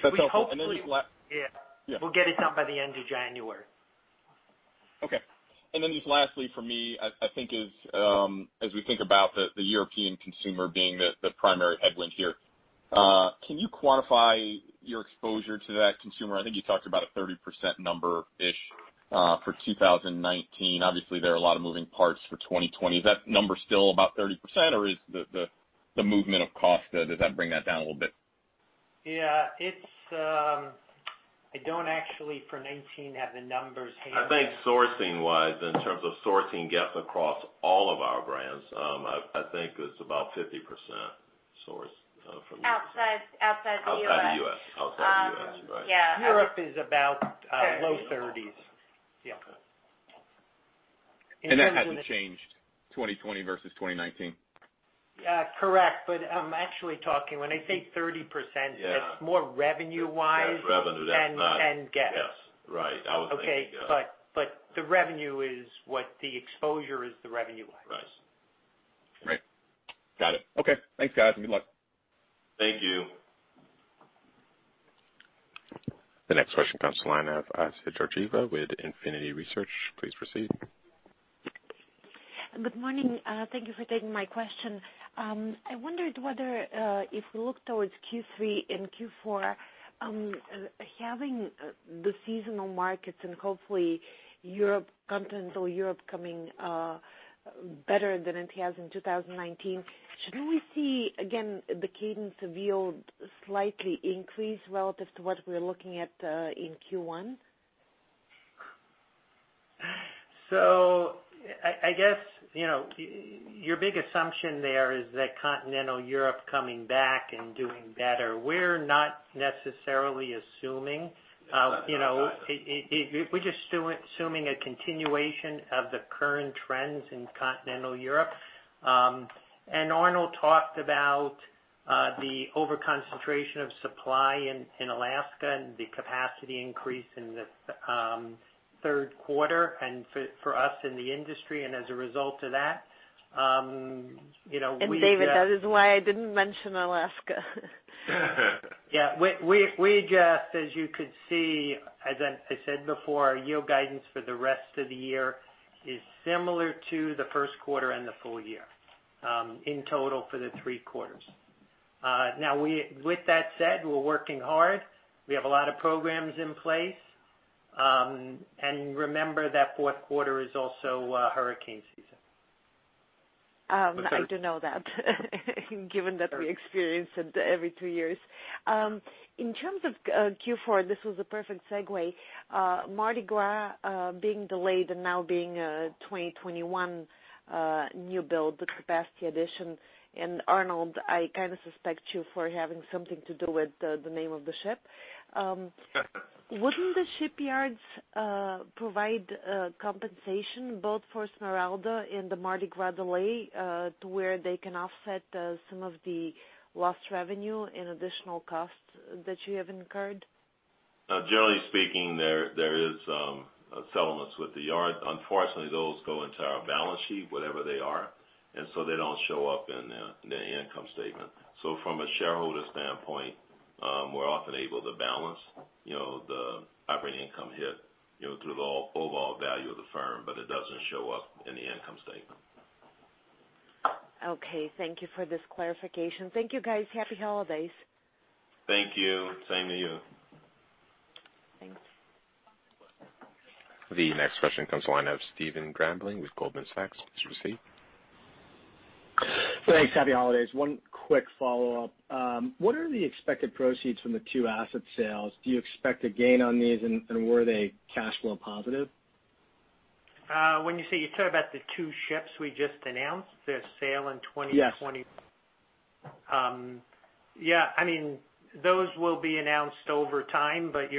get it done by the end of January.
Okay. Just lastly for me, I think as we think about the European consumer being the primary headwind here, can you quantify your exposure to that consumer? I think you talked about a 30% number-ish, for 2019. Obviously, there are a lot of moving parts for 2020. Is that number still about 30%, or is the movement of cost, does that bring that down a little bit?
Yeah. I don't actually for 2019 have the numbers here.
I think sourcing-wise, in terms of sourcing gaps across all of our brands, I think it's about 50% source.
Outside the U.S.
Outside the U.S. Right.
Yeah.
Europe is about low 30s. Yeah.
Okay.
That hasn't changed 2020 versus 2019?
Yeah, correct. I'm actually talking, when I say 30%-
Yeah
That's more revenue-wise.
That's revenue.
Than guest.
Yes. Right. I was thinking gap.
Okay. The revenue is what the exposure is the revenue wise.
Right.
Right. Got it. Okay. Thanks, guys. Good luck.
Thank you.
The next question comes to line of Assia Georgieva with Infinity Research. Please proceed.
Good morning. Thank you for taking my question. I wondered whether, if we look towards Q3 and Q4, having the seasonal markets and hopefully Continental Europe coming better than it has in 2019, shouldn't we see again the cadence of yield slightly increase relative to what we're looking at in Q1?
I guess, your big assumption there is that Continental Europe coming back and doing better. We're not necessarily assuming. We're just assuming a continuation of the current trends in Continental Europe. Arnold talked about the over-concentration of supply in Alaska and the capacity increase in the third quarter, and for us in the industry.
David, that is why I didn't mention Alaska.
Yeah. We just, as you could see, as I said before, our yield guidance for the rest of the year is similar to the first quarter and the full-year, in total for the three quarters. Now with that said, we're working hard. We have a lot of programs in place. Remember that fourth quarter is also hurricane season.
I do know that. Given that we experience it every two years. In terms of Q4, this was the perfect segue, Mardi Gras being delayed and now being 2021 new build, the capacity addition, and Arnold, I kind of suspect you for having something to do with the name of the ship. Wouldn't the shipyards provide compensation both for Smeralda and the Mardi Gras delay, to where they can offset some of the lost revenue and additional costs that you have incurred?
Generally speaking, there is settlements with the yard. Unfortunately, those go into our balance sheet, whatever they are, and so they don't show up in the income statement. From a shareholder standpoint, we're often able to balance the operating income hit through the overall value of the firm, but it doesn't show up in the income statement.
Okay. Thank you for this clarification. Thank you guys. Happy holidays.
Thank you. Same to you.
Thanks.
The next question comes to line of Stephen Grambling with Goldman Sachs. Please proceed.
Thanks. Happy holidays. One quick follow-up. What are the expected proceeds from the two asset sales? Do you expect a gain on these and were they cash flow positive?
When you say, you're talking about the two ships we just announced, their sale in 2020?
Yes.
Yeah. Those will be announced over time, but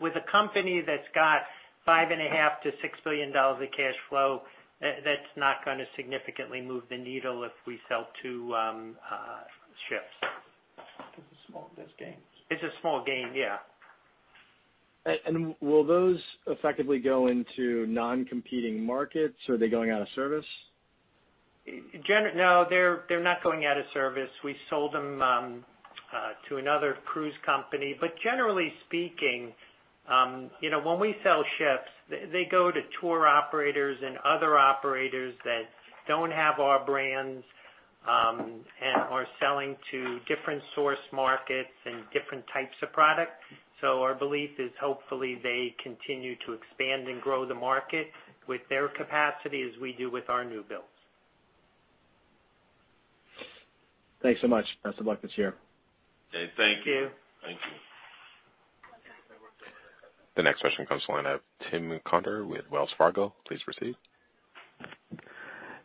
with a company that's got $5.5 billion-$6 billion of cash flow, that's not going to significantly move the needle if we sell two ships. It's a small, best guess. It's a small gain, yeah.
Will those effectively go into non-competing markets? Are they going out of service?
They're not going out of service. We sold them to another cruise company. Generally speaking, when we sell ships, they go to tour operators and other operators that don't have our brands, and are selling to different source markets and different types of product. Our belief is hopefully they continue to expand and grow the market with their capacity as we do with our new builds.
Thanks so much. Best of luck this year.
Okay, thank you.
The next question comes to line of Tim Conder with Wells Fargo. Please proceed.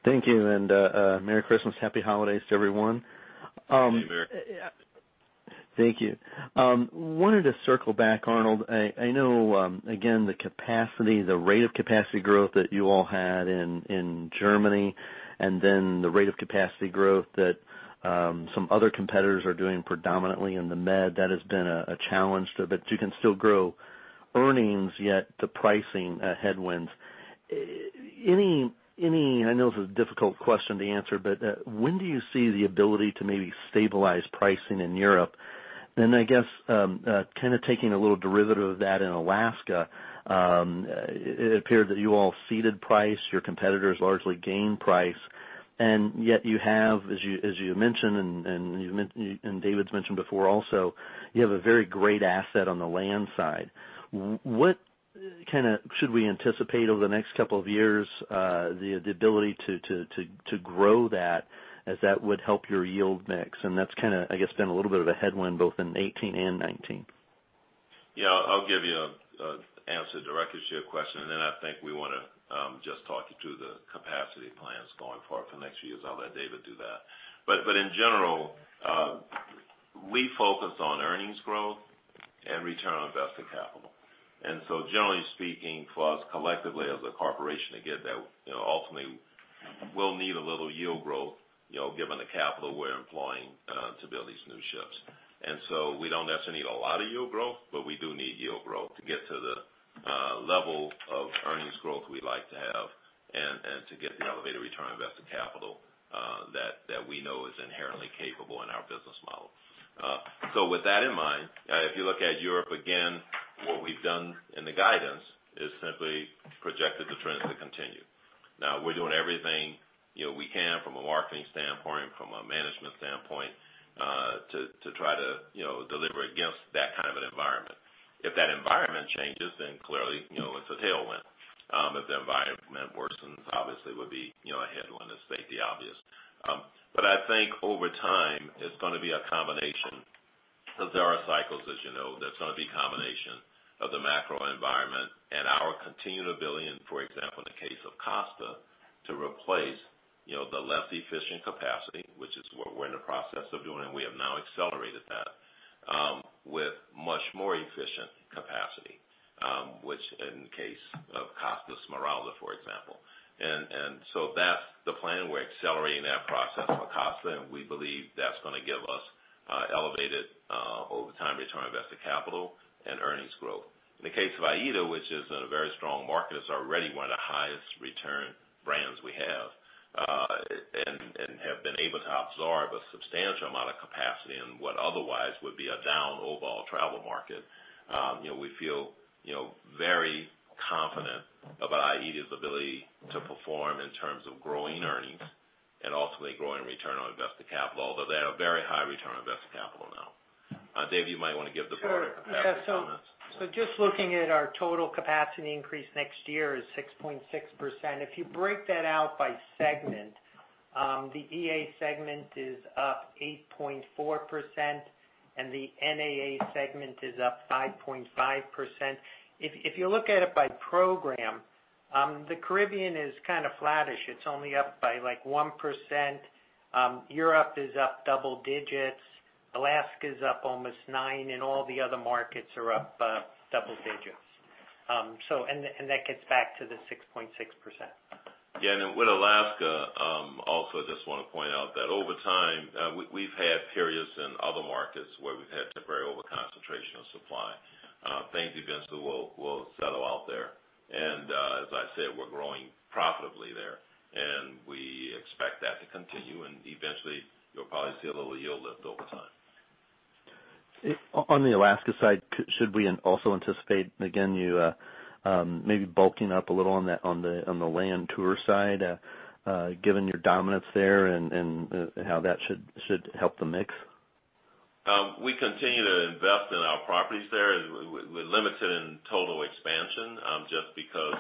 Thank you, and merry Christmas. Happy holidays to everyone.
Same to you.
Thank you. Wanted to circle back, Arnold. I know, again, the rate of capacity growth that you all had in Germany, and then the rate of capacity growth that some other competitors are doing predominantly in the Med, that has been a challenge there. You can still grow earnings, yet the pricing headwinds. I know this is a difficult question to answer, but when do you see the ability to maybe stabilize pricing in Europe? I guess, taking a little derivative of that in Alaska, it appeared that you all seeded price, your competitors largely gained price, and yet you have, as you mentioned, and David's mentioned before also, you have a very great asset on the land side. What should we anticipate over the next couple of years, the ability to grow that, as that would help your yield mix? That's, I guess, been a little bit of a headwind both in 2018 and 2019.
Yeah. I'll give you an answer directly to your question, and then I think we want to just talk you through the capacity plans going forward for the next few years. I'll let David do that. In general, we focus on earnings growth and return on invested capital. Generally speaking, for us collectively as a Corporation, again, that ultimately will need a little yield growth, given the capital we're employing to build these new ships. We don't necessarily need a lot of yield growth, but we do need yield growth to get to the level of earnings growth we like to have, and to get the elevated return on invested capital that we know is inherently capable in our business model. With that in mind, if you look at Europe, again, what we've done in the guidance is simply projected the trends to continue. Now we're doing everything we can from a marketing standpoint, from a management standpoint, to try to deliver against that kind of an environment. If that environment changes, then clearly, it's a tailwind. If the environment worsens, obviously it would be a headwind, to state the obvious. I think over time, it's going to be a combination, because there are cycles as you know, that's going to be a combination of the macro environment and our continued ability, for example, in the case of Costa, to replace the less efficient capacity, which is what we're in the process of doing, and we have now accelerated that with much more efficient capacity, which in the case of Costa Smeralda, for example. That's the plan. We're accelerating that process for Costa, and we believe that's going to give us elevated over time return on invested capital and earnings growth. In the case of AIDA, which is in a very strong market, it's already one of the highest return brands we have, and have been able to absorb a substantial amount of capacity in what otherwise would be a down overall travel market. We feel very confident about AIDA's ability to perform in terms of growing earnings and ultimately growing return on invested capital, although they have very high return on invested capital now. David, you might want to give the capacity comments.
Sure. Just looking at our total capacity increase next year is 6.6%. If you break that out by segment, the EA segment is up 8.4%, and the NAA segment is up 5.5%. If you look at it by program, the Caribbean is kind of flattish. It's only up by 1%. Europe is up double digits. Alaska's up almost 9%, and all the other markets are up double digits. That gets back to the 6.6%.
Yeah, with Alaska, also I just want to point out that over time, we've had periods in other markets where we've had temporary over-concentration of supply. Things eventually will settle out there. As I said, we're growing profitably there, and we expect that to continue, eventually you'll probably see a little yield lift over time.
On the Alaska side, should we also anticipate, again, you maybe bulking up a little on the land tour side, given your dominance there and how that should help the mix?
We continue to invest in our properties there. We're limited in total expansion, just because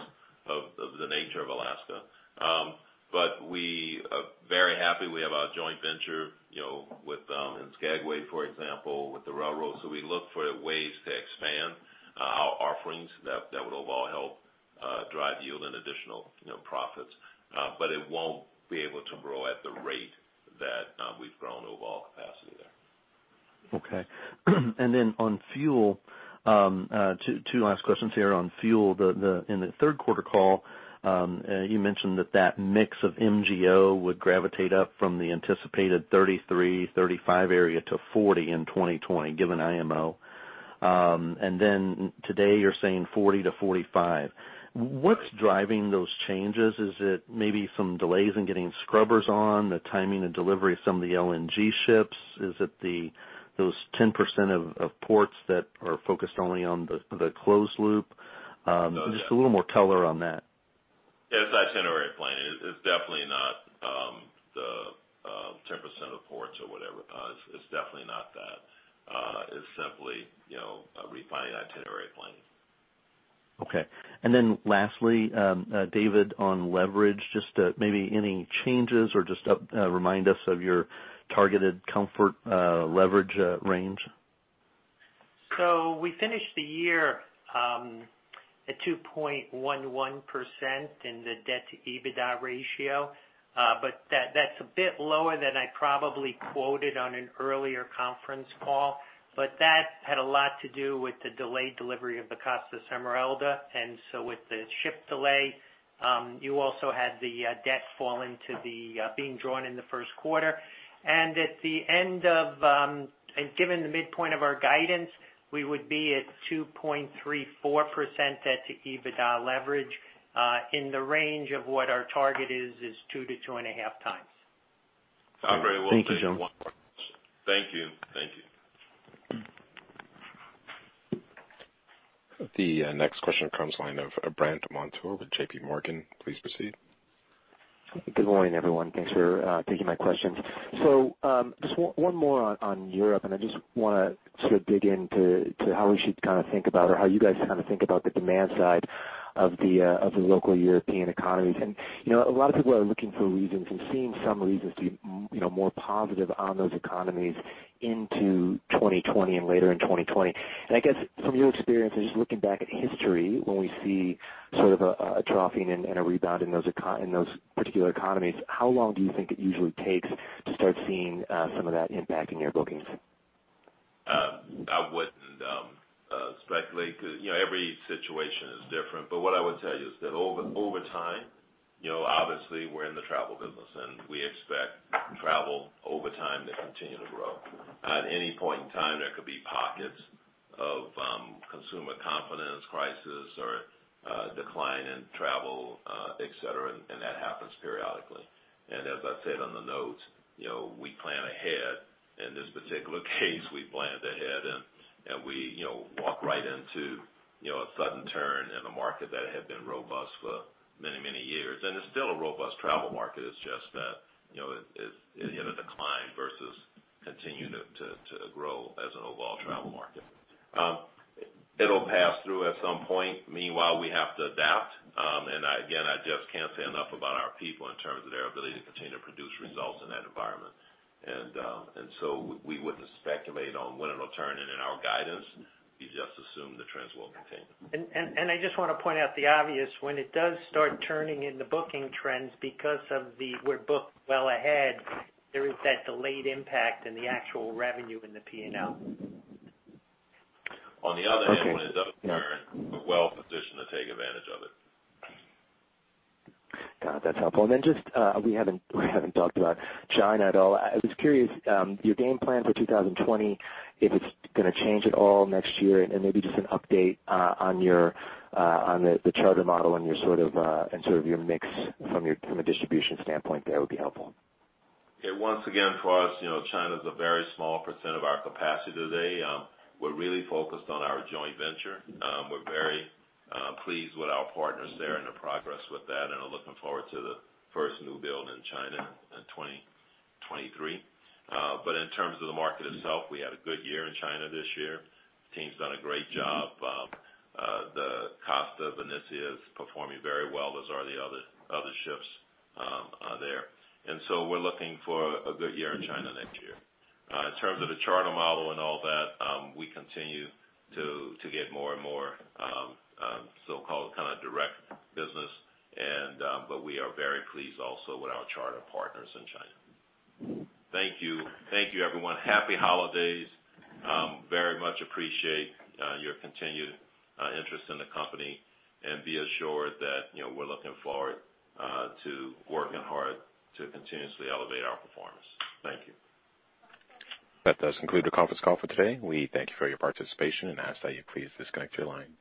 of the nature of Alaska. We are very happy. We have our joint venture in Skagway, for example, with the railroads. We look for ways to expand our offerings that would overall help drive yield and additional profits. It won't be able to grow at the rate that we've grown overall capacity there.
Okay. On fuel, two last questions here on fuel. In the third quarter call, you mentioned that that mix of MGO would gravitate up from the anticipated 33-35 area to 40 in 2020, given IMO. Today you're saying 40-45. What's driving those changes? Is it maybe some delays in getting scrubbers on, the timing and delivery of some of the LNG ships? Is it those 10% of ports that are focused only on the closed loop?
No.
Just a little more color on that.
Yeah, it's itinerary planning. It's definitely not the 10% of ports or whatever. It's definitely not that. It's simply refining itinerary planning.
Lastly, David, on leverage, just maybe any changes or just remind us of your targeted comfort leverage range?
We finished the year at 2.11% in the debt to EBITDA ratio. That's a bit lower than I probably quoted on an earlier conference call. That had a lot to do with the delayed delivery of the Costa Smeralda. With the ship delay, you also had the debt fall into being drawn in the first quarter. Given the midpoint of our guidance, we would be at 2.34% debt to EBITDA leverage. In the range of what our target is two to 2.5x.
I'll very well take one more question.
Thank you.
Thank you.
The next question comes line of Brandt Montour with JPMorgan. Please proceed.
Good morning, everyone. Thanks for taking my questions. Just one more on Europe, and I just want to sort of dig into how we should kind of think about, or how you guys kind of think about the demand side of the local European economies. A lot of people are looking for reasons and seeing some reasons to be more positive on those economies into 2020 and later in 2020. I guess from your experience and just looking back at history, when we see sort of a troughing and a rebound in those particular economies, how long do you think it usually takes to start seeing some of that impact in your bookings?
I wouldn't speculate because every situation is different. What I would tell you is that over time, obviously, we're in the travel business, and we expect travel over time to continue to grow. At any point in time, there could be pockets of consumer confidence crisis or a decline in travel, et cetera, and that happens periodically. As I said on the notes, we plan ahead. In this particular case, we planned ahead and we walked right into a sudden turn in a market that had been robust for many years. It's still a robust travel market. It's just that it had a decline versus continuing to grow as an overall travel market. It'll pass through at some point. Meanwhile, we have to adapt. Again, I just can't say enough about our people in terms of their ability to continue to produce results in that environment. We wouldn't speculate on when it'll turn, and in our guidance, you just assume the trends will continue.
I just want to point out the obvious. When it does start turning in the booking trends because of the we're booked well ahead, there is that delayed impact in the actual revenue in the P&L.
On the other end, when it does turn, we're well positioned to take advantage of it.
Got it. That's helpful. Just, we haven't talked about China at all. I was curious, your game plan for 2020, if it's going to change at all next year, and maybe just an update on the charter model and your mix from a distribution standpoint there would be helpful.
Once again, for us, China's a very small percent of our capacity today. We're really focused on our joint venture. We're very pleased with our partners there and the progress with that, and are looking forward to the first new build in China in 2023. In terms of the market itself, we had a good year in China this year. Team's done a great job. The Costa Venezia is performing very well, as are the other ships there. We're looking for a good year in China next year. In terms of the charter model and all that, we continue to get more and more so-called direct business. We are very pleased also with our charter partners in China. Thank you, everyone. Happy holidays. Very much appreciate your continued interest in the company, and be assured that we're looking forward to working hard to continuously elevate our performance. Thank you.
That does conclude the conference call for today. We thank you for your participation and ask that you please disconnect your line.